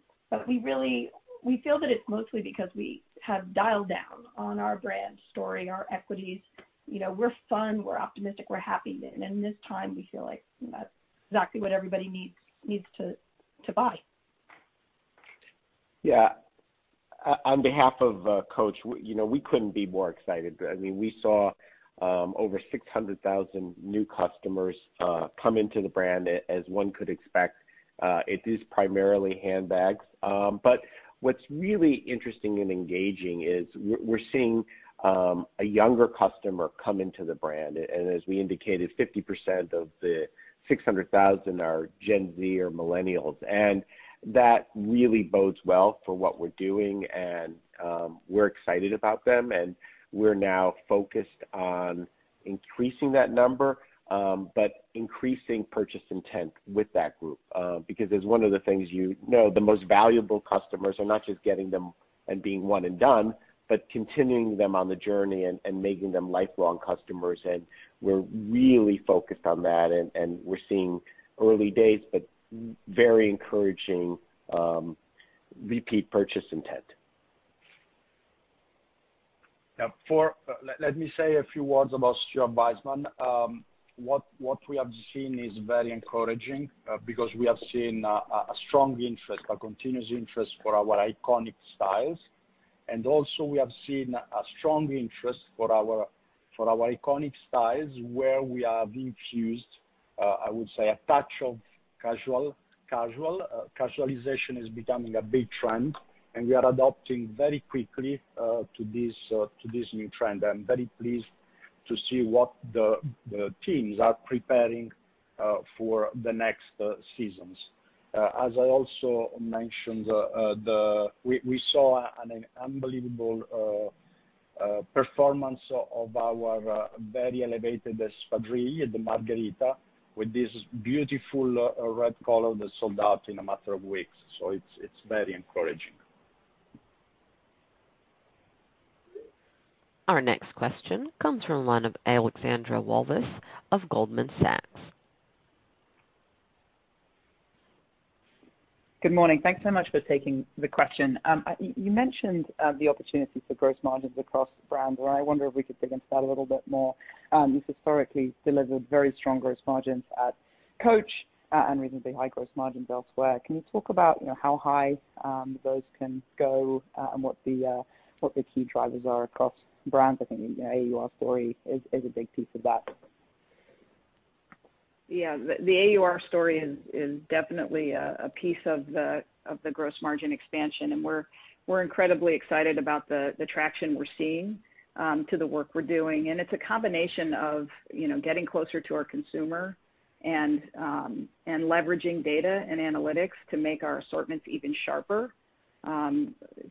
We feel that it's mostly because we have dialed down on our brand story, our equities. We're fun, we're optimistic, we're happy. In this time, we feel like that's exactly what everybody needs to buy. Yeah. On behalf of Coach, we couldn't be more excited. We saw over 600,000 new customers come into the brand as one could expect. It is primarily handbags. What's really interesting and engaging is we're seeing a younger customer come into the brand, and as we indicated, 50% of the 600,000 are Gen Z or Millennials. That really bodes well for what we're doing, and we're excited about them, and we're now focused on increasing that number, but increasing purchase intent with that group. Because as one of the things you know the most valuable customers are not just getting them and being one and done, but continuing them on the journey and making them lifelong customers, and we're really focused on that, and we're seeing early days, but very encouraging repeat purchase intent. Yeah. Let me say a few words about Stuart Weitzman. What we have seen is very encouraging because we have seen a strong interest, a continuous interest for our iconic styles. Also we have seen a strong interest for our iconic styles where we have infused, I would say, a touch of casual. Casualization is becoming a big trend, and we are adapting very quickly to this new trend. I'm very pleased to see what the teams are preparing for the next seasons. As I also mentioned, we saw an unbelievable performance of our very elevated espadrille, the Marguerita, with this beautiful red color that sold out in a matter of weeks. It's very encouraging. Our next question comes from the line of Alexandra Walvis of Goldman Sachs. Good morning. Thanks so much for taking the question. You mentioned the opportunity for gross margins across brands, and I wonder if we could dig into that a little bit more. You've historically delivered very strong gross margins at Coach and reasonably high gross margins elsewhere. Can you talk about how high those can go and what the key drivers are across brands? I think the AUR story is a big piece of that. Yeah, the AUR story is definitely a piece of the gross margin expansion, and we're incredibly excited about the traction we're seeing to the work we're doing. It's a combination of getting closer to our consumer and leveraging data and analytics to make our assortments even sharper,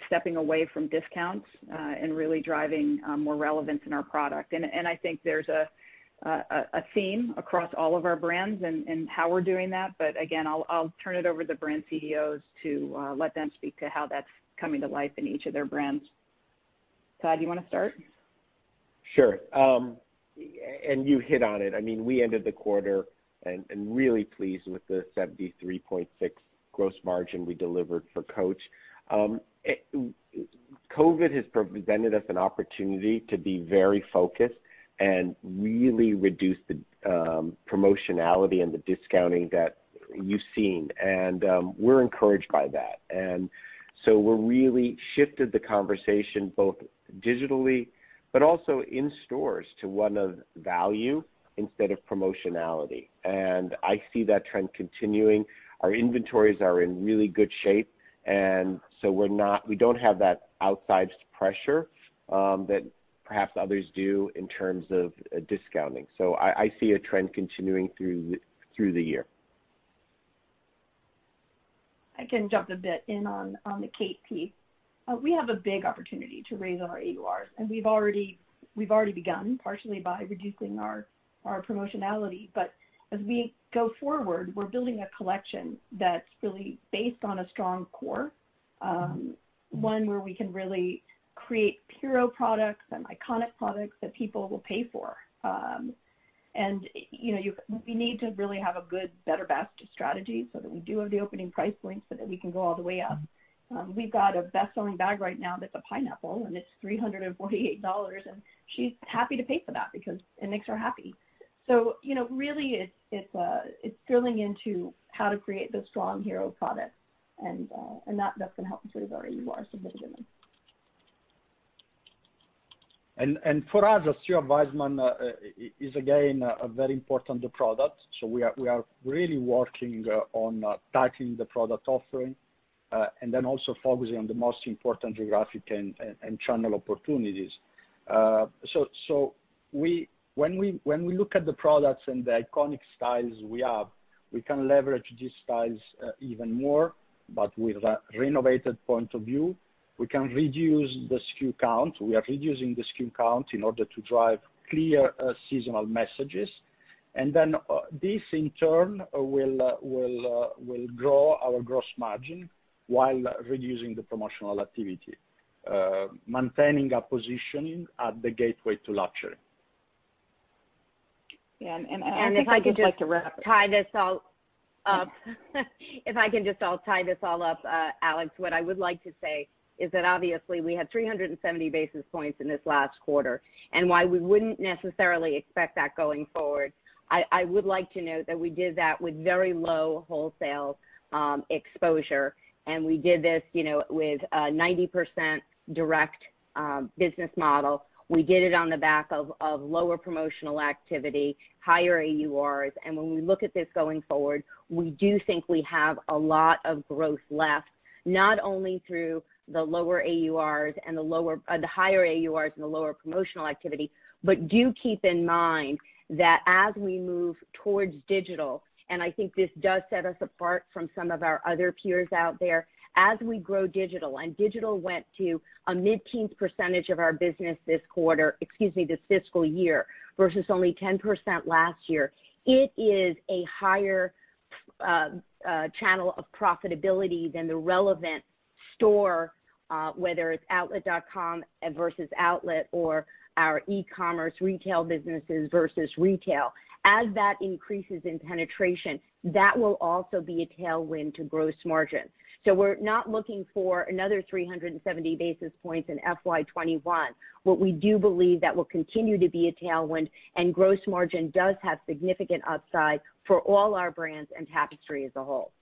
stepping away from discounts, and really driving more relevance in our product. I think there's a theme across all of our brands in how we're doing that. Again, I'll turn it over to the brand CEOs to let them speak to how that's coming to life in each of their brands. Todd, you want to start? Sure. You hit on it. We ended the quarter and really pleased with the 73.6% gross margin we delivered for Coach. COVID has presented us an opportunity to be very focused and really reduce the promotionality and the discounting that you've seen, and we're encouraged by that. We really shifted the conversation both digitally, but also in stores, to one of value instead of promotionality. I see that trend continuing. Our inventories are in really good shape, and so we don't have that outside pressure that perhaps others do in terms of discounting. I see a trend continuing through the year. I can jump a bit in on the Kate piece. We have a big opportunity to raise our AURs, and we've already begun, partially by reducing our promotionality. As we go forward, we're building a collection that's really based on a strong core, one where we can really create hero products and iconic products that people will pay for. We need to really have a good better best strategy so that we do have the opening price points, so that we can go all the way up. We've got a best-selling bag right now that's Pineapple, and it's $348, and she's happy to pay for that because it makes her happy. Really, it's drilling into how to create those strong hero products, and that's going to help us raise our AURs significantly. For us, Stuart Weitzman is again a very important product. We are really working on tightening the product offering and then also focusing on the most important geographic and channel opportunities. When we look at the products and the iconic styles we have, we can leverage these styles even more, but with a renovated point of view. We can reduce the SKU count. We are reducing the SKU count in order to drive clear seasonal messages. This, in turn, will grow our gross margin while reducing the promotional activity, maintaining our positioning at the gateway to luxury. Yeah. If I can just all tie this all up, Alex, what I would like to say is that obviously we had 370 basis points in this last quarter. While we wouldn't necessarily expect that going forward, I would like to note that we did that with very low wholesale exposure. We did this with a 90% direct business model. We did it on the back of lower promotional activity, higher AURs. When we look at this going forward, we do think we have a lot of growth left, not only through the higher AURs and the lower promotional activity. Do keep in mind that as we move towards digital, and I think this does set us apart from some of our other peers out there, as we grow digital, and digital went to a mid-teens percentage of our business this fiscal year versus only 10% last year, it is a higher channel of profitability than the relevant store whether it's outlet.com versus outlet or our e-commerce retail businesses versus retail. As that increases in penetration, that will also be a tailwind to gross margin. We're not looking for another 370 basis points in FY2021, but we do believe that will continue to be a tailwind, and gross margin does have significant upside for all our brands and Tapestry as a whole.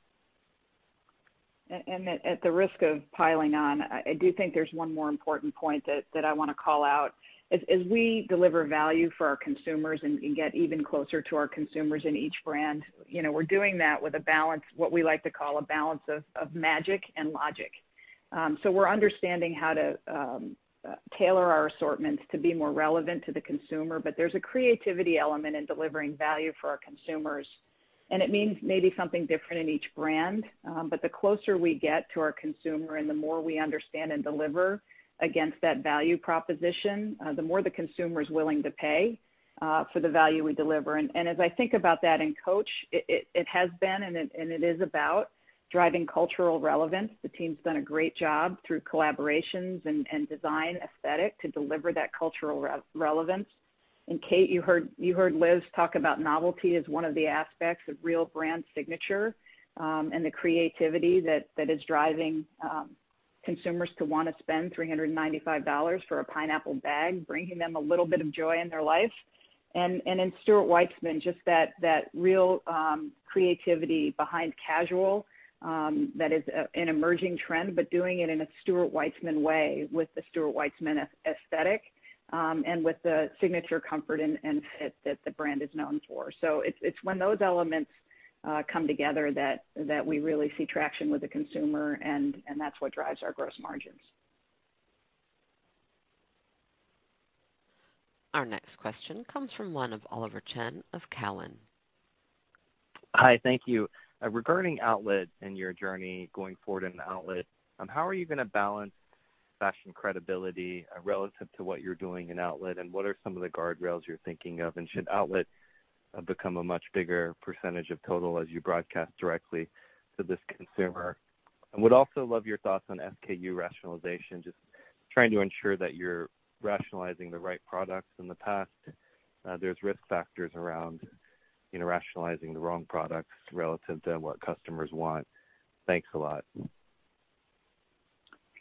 At the risk of piling on, I do think there's one more important point that I want to call out. As we deliver value for our consumers and get even closer to our consumers in each brand, we're doing that with what we like to call a balance of magic and logic. We're understanding how to tailor our assortments to be more relevant to the consumer, but there's a creativity element in delivering value for our consumers, and it means maybe something different in each brand. The closer we get to our consumer and the more we understand and deliver against that value proposition, the more the consumer's willing to pay for the value we deliver. As I think about that in Coach, it has been, and it is about driving cultural relevance. The team's done a great job through collaborations and design aesthetic to deliver that cultural relevance. Kate, you heard Liz talk about novelty as one of the aspects of real brand signature, and the creativity that is driving consumers to want to spend $395 for a Pineapple bag, bringing them a little bit of joy in their life. In Stuart Weitzman, just that real creativity behind casual, that is an emerging trend, but doing it in a Stuart Weitzman way with the Stuart Weitzman aesthetic, and with the signature comfort and fit that the brand is known for. It's when those elements come together that we really see traction with the consumer, and that's what drives our gross margins. Our next question comes from line of Oliver Chen of Cowen. Hi, thank you. Regarding outlet and your journey going forward in outlet, how are you going to balance fashion credibility relative to what you're doing in outlet, and what are some of the guardrails you're thinking of, and should outlet have become a much bigger percentage of total as you broadcast directly to this consumer. I would also love your thoughts on SKU rationalization, just trying to ensure that you're rationalizing the right products. In the past, there's risk factors around rationalizing the wrong products relative to what customers want. Thanks a lot.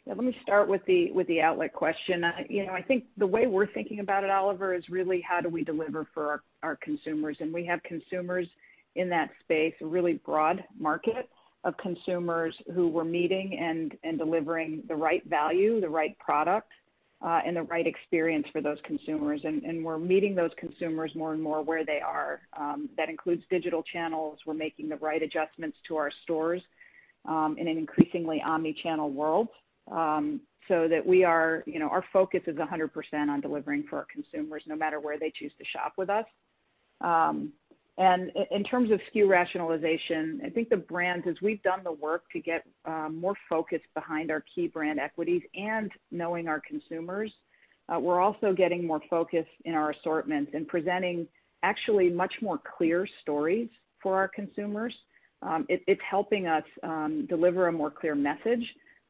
Let me start with the outlet question. I think the way we're thinking about it, Oliver, is really how do we deliver for our consumers. We have consumers in that space, a really broad market of consumers who we're meeting and delivering the right value, the right product, and the right experience for those consumers. We're meeting those consumers more and more where they are. That includes digital channels. We're making the right adjustments to our stores, in an increasingly omni-channel world, so that our focus is 100% on delivering for our consumers, no matter where they choose to shop with us. In terms of SKU rationalization, I think the brands, as we've done the work to get more focus behind our key brand equities and knowing our consumers, we're also getting more focus in our assortments and presenting actually much more clear stories for our consumers. It's helping us deliver a more clear message.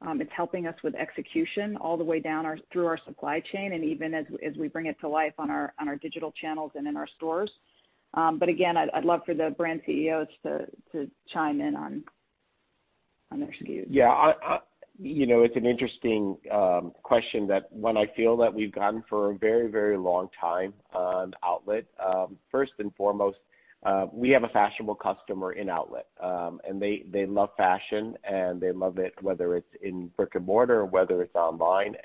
It's helping us with execution all the way down through our supply chain and even as we bring it to life on our digital channels and in our stores. Again, I'd love for the brand CEOs to chime in on their SKUs. Yeah. It's an interesting question that one. I feel that we've gone for a very, very long time on outlet. First and foremost, we have a fashionable customer in outlet, and they love fashion, and they love it whether it's in brick-and-mortar or whether it's online.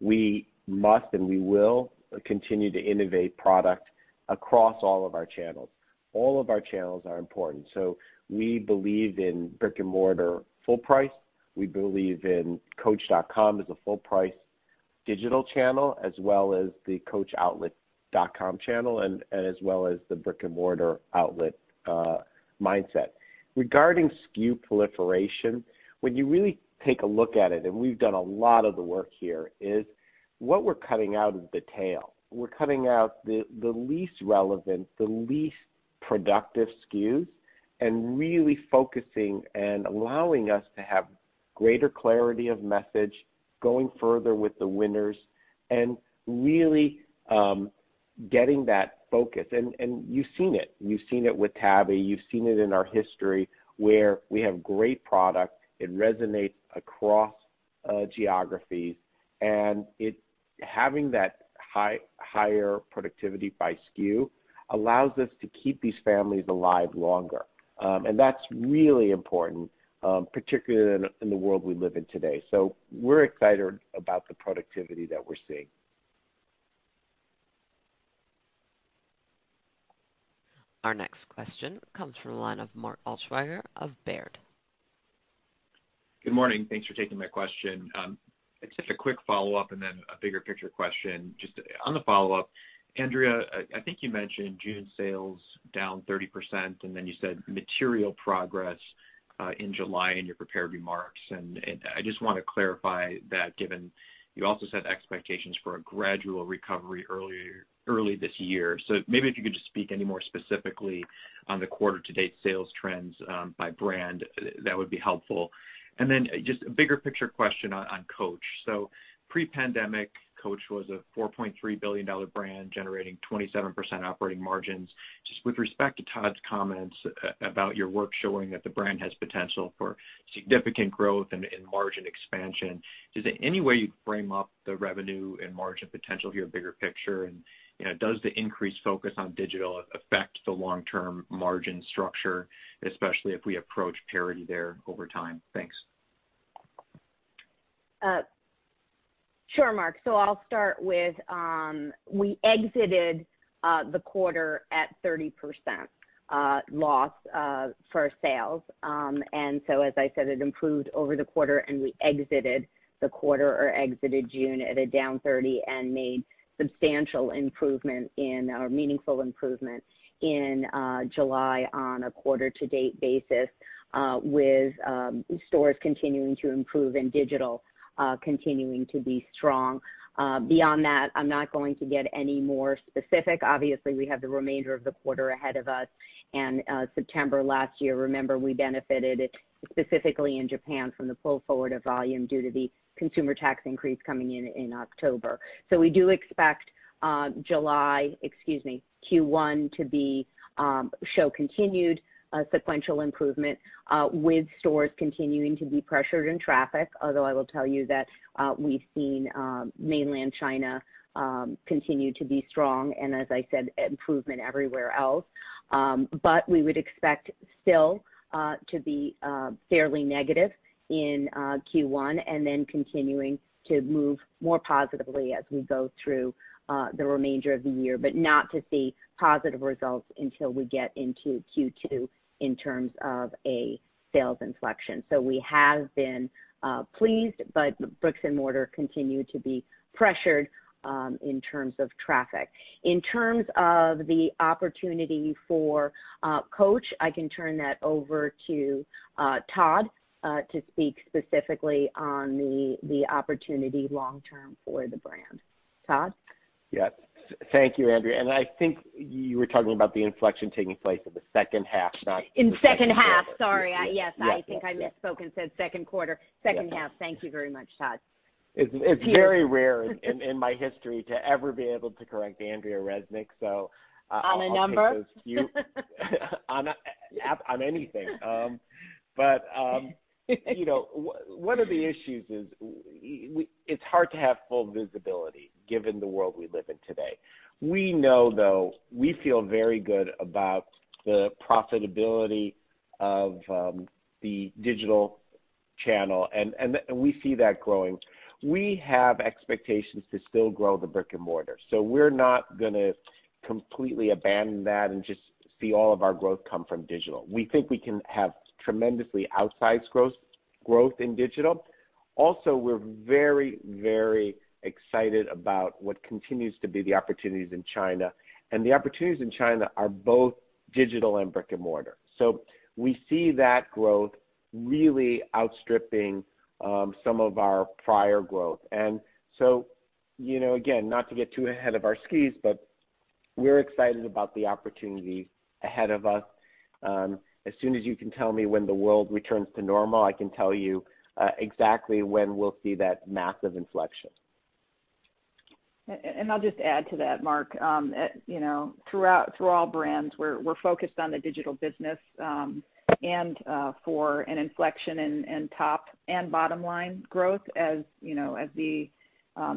We must and we will continue to innovate product across all of our channels. All of our channels are important. We believe in brick-and-mortar full price. We believe in coach.com as a full price digital channel, as well as the coachoutlet.com channel and as well as the brick-and-mortar outlet mindset. Regarding SKU proliferation, when you really take a look at it, and we've done a lot of the work here, is what we're cutting out is the tail. We're cutting out the least relevant, the least productive SKUs and really focusing and allowing us to have greater clarity of message, going further with the winners and really getting that focus. You've seen it. You've seen it with Tabby. You've seen it in our history where we have great product. It resonates across geographies. Having that higher productivity by SKU allows us to keep these families alive longer. That's really important, particularly in the world we live in today. We're excited about the productivity that we're seeing. Our next question comes from the line of Mark Altschwager of Baird. Good morning. Thanks for taking my question. It's just a quick follow-up and then a bigger picture question. Just on the follow-up, Andrea, I think you mentioned June sales down 30%, then you said material progress, in July in your prepared remarks, and I just want to clarify that given you also set expectations for a gradual recovery early this year. Maybe if you could just speak any more specifically on the quarter to date sales trends by brand, that would be helpful. Just a bigger picture question on Coach. Pre-pandemic, Coach was a $4.3 billion brand generating 27% operating margins. Just with respect to Todd's comments about your work showing that the brand has potential for significant growth and margin expansion, is there any way you frame up the revenue and margin potential here bigger picture, and does the increased focus on digital affect the long-term margin structure, especially if we approach parity there over time? Thanks. Sure, Mark. I'll start with, we exited the quarter at 30% loss for sales. As I said, it improved over the quarter, and we exited the quarter or exited June at a down 30% and made substantial improvement or meaningful improvement in July on a quarter-to-date basis, with stores continuing to improve and digital continuing to be strong. Beyond that, I'm not going to get any more specific. Obviously, we have the remainder of the quarter ahead of us and September last year, remember, we benefited specifically in Japan from the pull forward of volume due to the consumer tax increase coming in in October. We do expect Q1 to show continued sequential improvement, with stores continuing to be pressured in traffic. Although I will tell you that we've seen Mainland China continue to be strong and as I said, improvement everywhere else. We would expect still to be fairly negative in Q1 and then continuing to move more positively as we go through the remainder of the year, but not to see positive results until we get into Q2 in terms of a sales inflection. We have been pleased, but bricks and mortar continue to be pressured in terms of traffic. In terms of the opportunity for Coach, I can turn that over to Todd to speak specifically on the opportunity long-term for the brand. Todd? Yes. Thank you, Andrea. I think you were talking about the inflection taking place in the second half, not. In second half. Sorry. Yes. I think I misspoke and said second quarter. Second half. Yes. Thank you very much, Todd. It's very rare in my history to ever be able to correct Andrea Resnick. On a number? On anything. One of the issues is it's hard to have full visibility given the world we live in today. We know, though, we feel very good about the profitability of the digital channel, and we see that growing. We have expectations to still grow the brick and mortar. We're not going to completely abandon that and just see all of our growth come from digital. We think we can have tremendously outsized growth in digital. Also, we're very excited about what continues to be the opportunities in China, and the opportunities in China are both digital and brick and mortar. We see that growth really outstripping some of our prior growth. Again, not to get too ahead of our skis, but we're excited about the opportunities ahead of us. As soon as you can tell me when the world returns to normal, I can tell you exactly when we'll see that massive inflection. I'll just add to that, Mark. Through all brands, we're focused on the digital business, and for an inflection in top and bottom-line growth as the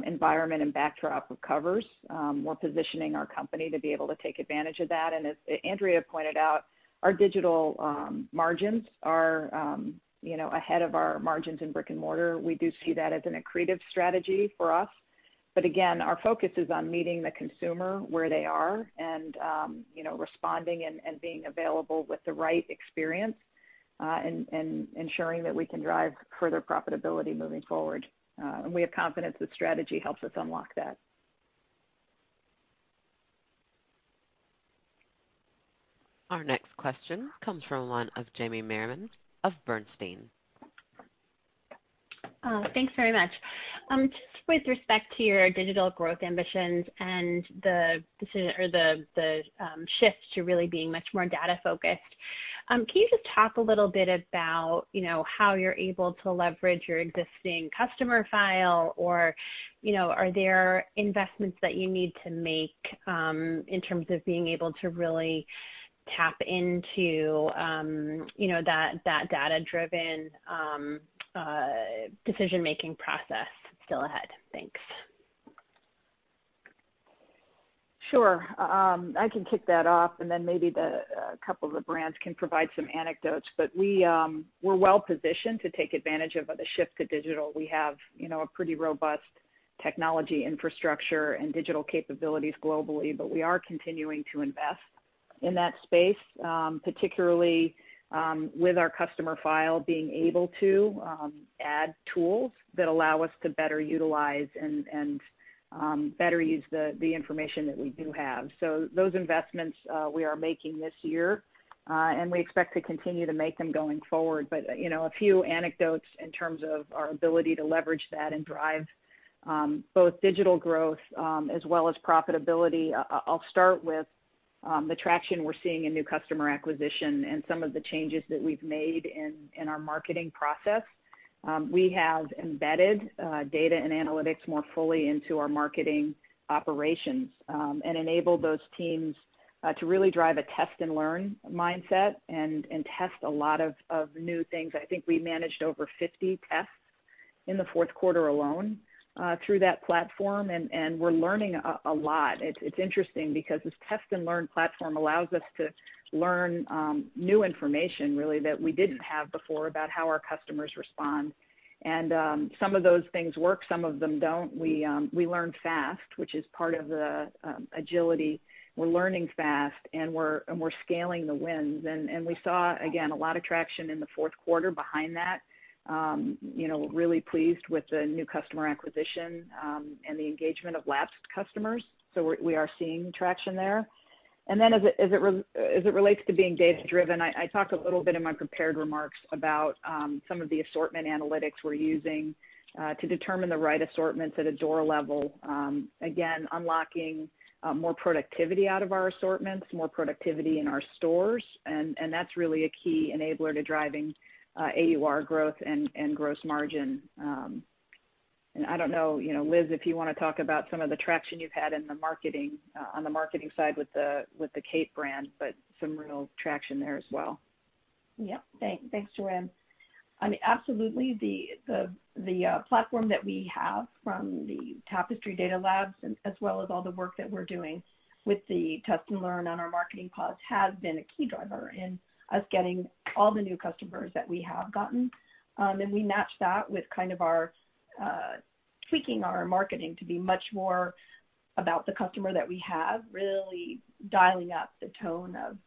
environment and backdrop recovers. We're positioning our company to be able to take advantage of that. As Andrea pointed out, our digital margins are ahead of our margins in brick and mortar. We do see that as an accretive strategy for us. Again, our focus is on meeting the consumer where they are and responding and being available with the right experience, and ensuring that we can drive further profitability moving forward. We have confidence that strategy helps us unlock that. Our next question comes from the line of Jamie Merriman of Bernstein. Thanks very much. Just with respect to your digital growth ambitions and the decision or the shift to really being much more data focused, can you just talk a little bit about how you're able to leverage your existing customer file or are there investments that you need to make in terms of being able to really tap into that data-driven decision making process still ahead? Thanks. Sure. I can kick that off and then maybe a couple of the brands can provide some anecdotes. We're well positioned to take advantage of the shift to digital. We have a pretty robust technology infrastructure and digital capabilities globally, but we are continuing to invest in that space, particularly with our customer file being able to add tools that allow us to better utilize and better use the information that we do have. Those investments we are making this year, and we expect to continue to make them going forward. A few anecdotes in terms of our ability to leverage that and drive both digital growth as well as profitability. I'll start with the traction we're seeing in new customer acquisition and some of the changes that we've made in our marketing process. We have embedded data and analytics more fully into our marketing operations, enabled those teams to really drive a test and learn mindset and test a lot of new things. I think we managed over 50 tests in the fourth quarter alone through that platform. We're learning a lot. It's interesting because this test and learn platform allows us to learn new information really that we didn't have before about how our customers respond. Some of those things work, some of them don't. We learn fast, which is part of the agility. We're learning fast and we're scaling the wins. We saw, again, a lot of traction in the fourth quarter behind that. Really pleased with the new customer acquisition and the engagement of lapsed customers. We are seeing traction there. As it relates to being data driven, I talked a little bit in my prepared remarks about some of the assortment analytics we're using to determine the right assortments at a door level. Again, unlocking more productivity out of our assortments, more productivity in our stores, and that's really a key enabler to driving AUR growth and gross margin. I don't know, Liz, if you want to talk about some of the traction you've had in the marketing, on the marketing side with the Kate Spade, but some real traction there as well. Yep. Thanks, Joanne. Absolutely. The platform that we have from the Tapestry Data Labs, as well as all the work that we're doing with the test and learn on our marketing pods, has been a key driver in us getting all the new customers that we have gotten. We match that with tweaking our marketing to be much more about the customer that we have, really dialing up the tone of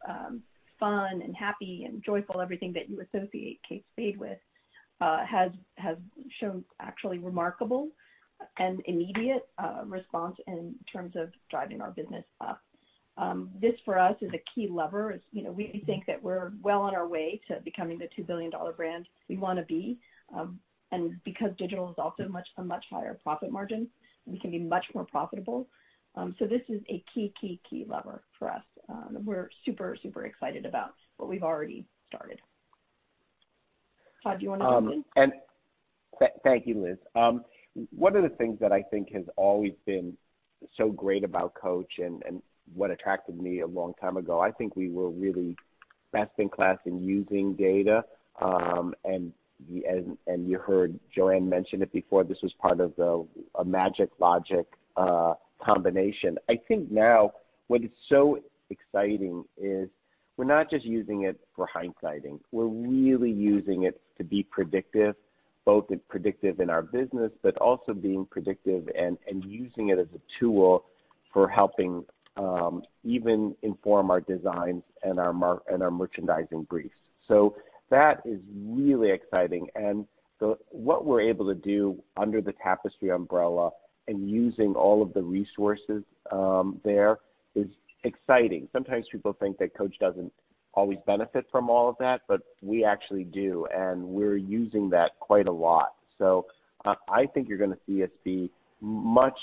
fun and happy and joyful, everything that you associate Kate Spade with, has shown actually remarkable and immediate response in terms of driving our business up. This for us is a key lever. We think that we're well on our way to becoming the $2 billion brand we want to be. Because digital is also a much higher profit margin, we can be much more profitable. This is a key lever for us. We're super excited about what we've already started. Todd, do you want to jump in? Thank you, Liz. One of the things that I think has always been so great about Coach and what attracted me a long time ago, I think we were really best in class in using data. You heard Joanne mention it before, this was part of a magic-logic combination. I think now what is so exciting is we're not just using it for hindsighting. We're really using it to be predictive, both predictive in our business, but also being predictive and using it as a tool for helping even inform our designs and our merchandising briefs. That is really exciting. What we're able to do under the Tapestry umbrella and using all of the resources there is exciting. Sometimes people think that Coach doesn't always benefit from all of that, but we actually do, and we're using that quite a lot. I think you're going to see us be much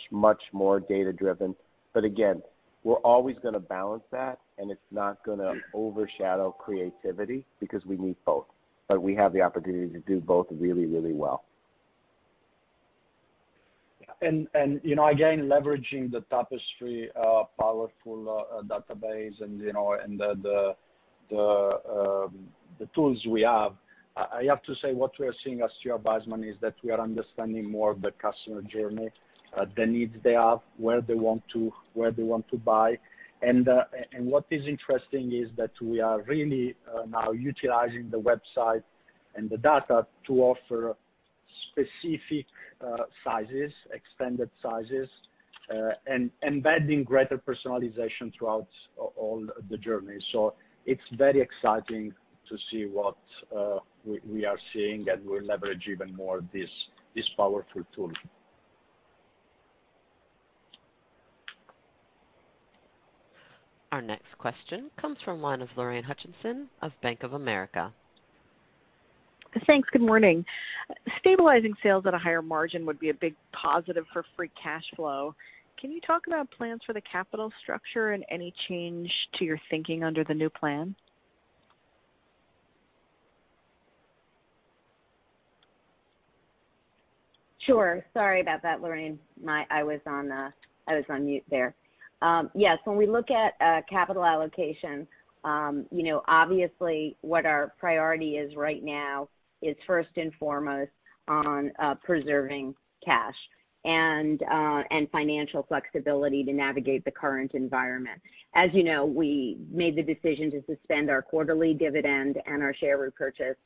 more data-driven. Again, we're always going to balance that, and it's not going to overshadow creativity because we need both. We have the opportunity to do both really well. Again, leveraging the Tapestry powerful database and the tools we have, I have to say what we are seeing as CEO of Stuart Weitzman is that we are understanding more of the customer journey, the needs they have, where they want to buy. What is interesting is that we are really now utilizing the website and the data to offer specific sizes, extended sizes, and embedding greater personalization throughout all the journey. It's very exciting to see what we are seeing, and we'll leverage even more this powerful tool. Our next question comes from the line of Lorraine Hutchinson of Bank of America. Thanks. Good morning. Stabilizing sales at a higher margin would be a big positive for free cash flow. Can you talk about plans for the capital structure and any change to your thinking under the new plan? Sure. Sorry about that, Lorraine. I was on mute there. Yes, when we look at capital allocation, obviously what our priority is right now is first and foremost on preserving cash and financial flexibility to navigate the current environment. As you know, we made the decision to suspend our quarterly dividend and our share repurchase.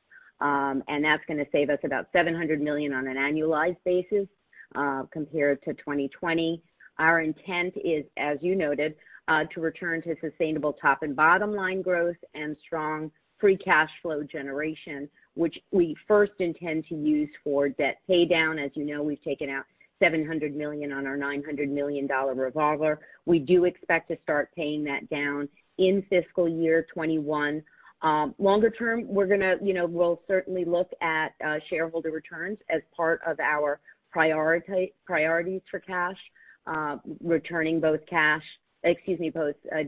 That's going to save us about $700 million on an annualized basis compared to 2020. Our intent is, as you noted, to return to sustainable top and bottom-line growth and strong free cash flow generation, which we first intend to use for debt paydown. As you know, we've taken out $700 million on our $900 million revolver. We do expect to start paying that down in fiscal year 2021. Longer term, we'll certainly look at shareholder returns as part of our priorities for cash, returning both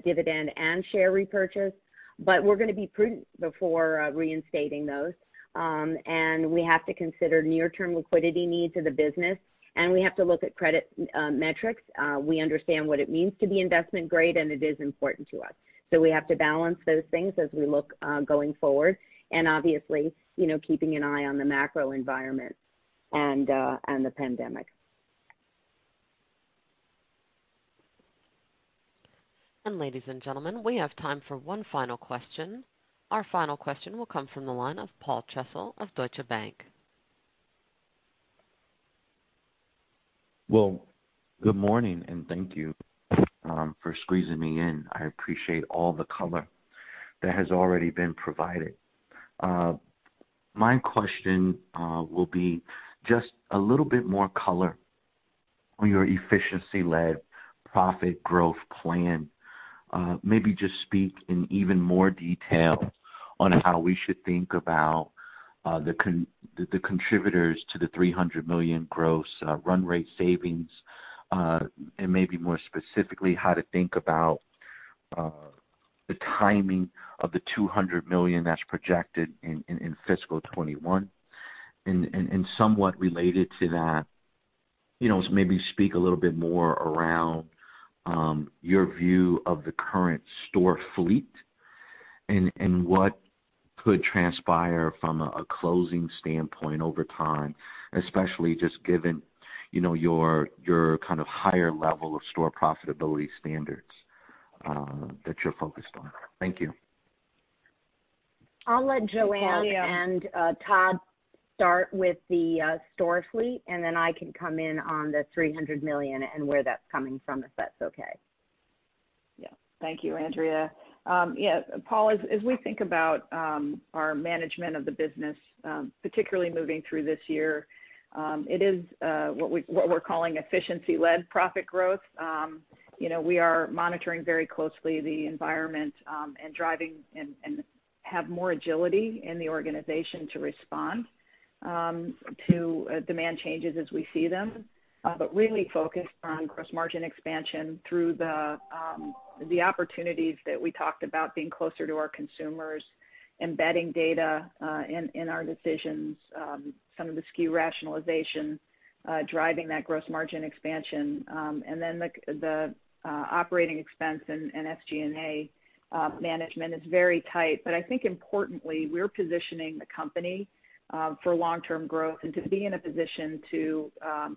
dividend and share repurchase, but we're going to be prudent before reinstating those. We have to consider near-term liquidity needs of the business, and we have to look at credit metrics. We understand what it means to be investment-grade, and it is important to us. We have to balance those things as we look going forward, and obviously, keeping an eye on the macro environment and the pandemic. Ladies and gentlemen, we have time for one final question. Our final question will come from the line of Paul Trussell of Deutsche Bank. Well, good morning, and thank you for squeezing me in. I appreciate all the color that has already been provided. My question will be just a little bit more color on your efficiency-led profit growth plan. Maybe just speak in even more detail on how we should think about the contributors to the $300 million gross run rate savings, and maybe more specifically, how to think about the timing of the $200 million that's projected in FY2021. Somewhat related to that, maybe speak a little bit more around your view of the current store fleet and what could transpire from a closing standpoint over time, especially just given your kind of higher level of store profitability standards that you're focused on. Thank you. I'll let Joanne and Todd start with the store fleet, and then I can come in on the $300 million and where that's coming from, if that's okay. Yeah. Thank you, Andrea. Yeah, Paul, as we think about our management of the business, particularly moving through this year, it is what we're calling efficiency-led profit growth. We are monitoring very closely the environment and driving and have more agility in the organization to respond to demand changes as we see them. Really focused on gross margin expansion through the opportunities that we talked about, being closer to our consumers, embedding data in our decisions, some of the SKU rationalization driving that gross margin expansion. The operating expense and SG&A management is very tight. I think importantly, we're positioning the company for long-term growth and to be in a position to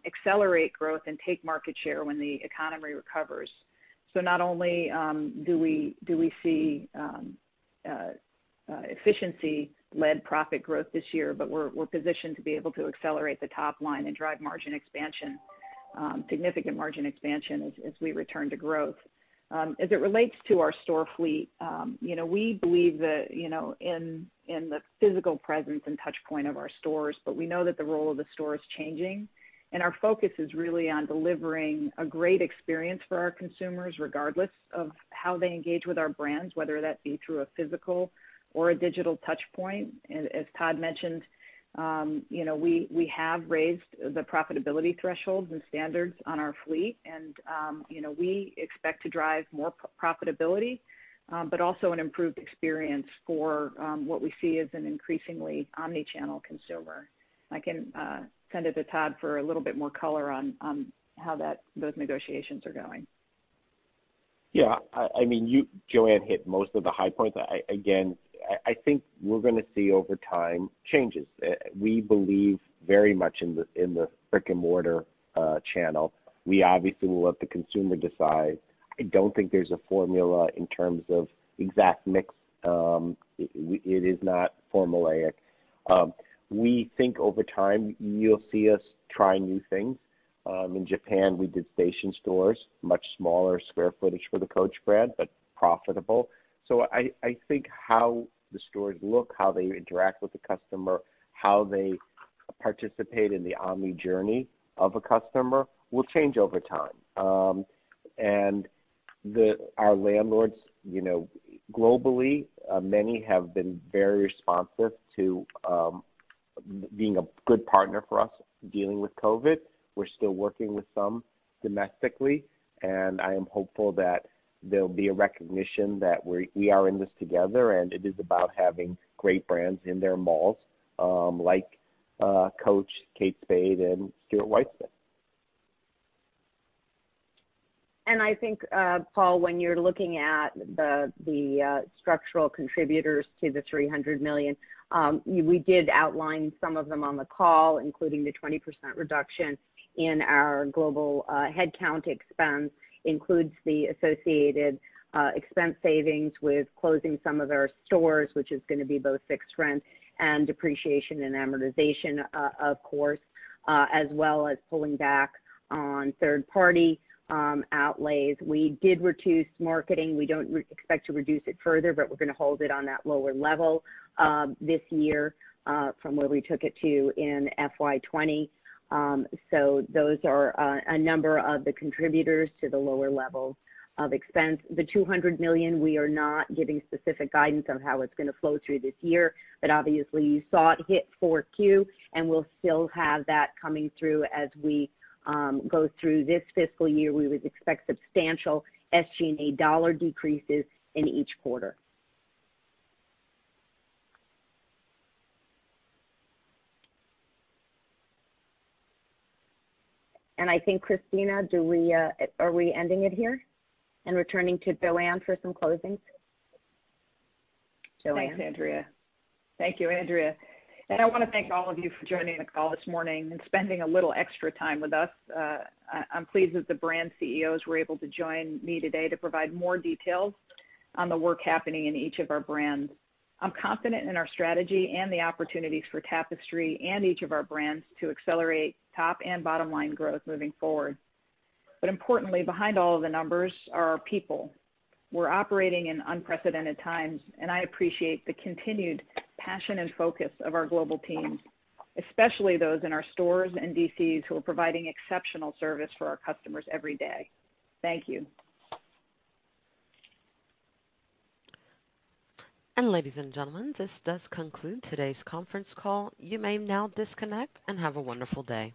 accelerate growth and take market share when the economy recovers. Not only do we see efficiency-led profit growth this year, but we're positioned to be able to accelerate the top line and drive margin expansion, significant margin expansion as we return to growth. As it relates to our store fleet, we believe that in the physical presence and touch point of our stores, but we know that the role of the store is changing, and our focus is really on delivering a great experience for our consumers, regardless of how they engage with our brands, whether that be through a physical or a digital touch point. As Todd mentioned, we have raised the profitability thresholds and standards on our fleet. We expect to drive more profitability, but also an improved experience for what we see as an increasingly omni-channel consumer. I can send it to Todd for a little bit more color on how those negotiations are going. Yeah. Joanne hit most of the high points. Again, I think we're going to see over time changes. We believe very much in the brick-and-mortar channel. We obviously will let the consumer decide. I don't think there's a formula in terms of exact mix. It is not formulaic. We think over time you'll see us try new things. In Japan, we did station stores, much smaller square footage for the Coach brand, but profitable. I think how the stores look, how they interact with the customer, how they participate in the omni journey of a customer will change over time. Our landlords globally, many have been very responsive to being a good partner for us dealing with COVID-19. We're still working with some domestically, and I am hopeful that there'll be a recognition that we are in this together, and it is about having great brands in their malls, like Coach, Kate Spade, and Stuart Weitzman. I think, Paul, when you're looking at the structural contributors to the $300 million, we did outline some of them on the call, including the 20% reduction in our global headcount expense, includes the associated expense savings with closing some of our stores, which is going to be both fixed rent and depreciation and amortization, of course, as well as pulling back on third-party outlays. We did reduce marketing. We don't expect to reduce it further, but we're going to hold it on that lower level this year from where we took it to in FY2020. Those are a number of the contributors to the lower level of expense. The $200 million, we are not giving specific guidance on how it's going to flow through this year, but obviously you saw it hit 4Q, and we'll still have that coming through as we go through this fiscal year. We would expect substantial SG&A dollar decreases in each quarter. I think, Christina, are we ending it here and returning to Joanne for some closings? Joanne. Thanks, Andrea. Thank you, Andrea. I want to thank all of you for joining the call this morning and spending a little extra time with us. I'm pleased that the brand CEOs were able to join me today to provide more details on the work happening in each of our brands. I'm confident in our strategy and the opportunities for Tapestry and each of our brands to accelerate top and bottom-line growth moving forward. Importantly, behind all of the numbers are our people. We're operating in unprecedented times, and I appreciate the continued passion and focus of our global teams, especially those in our stores and DCs who are providing exceptional service for our customers every day. Thank you. Ladies and gentlemen, this does conclude today's conference call. You may now disconnect and have a wonderful day.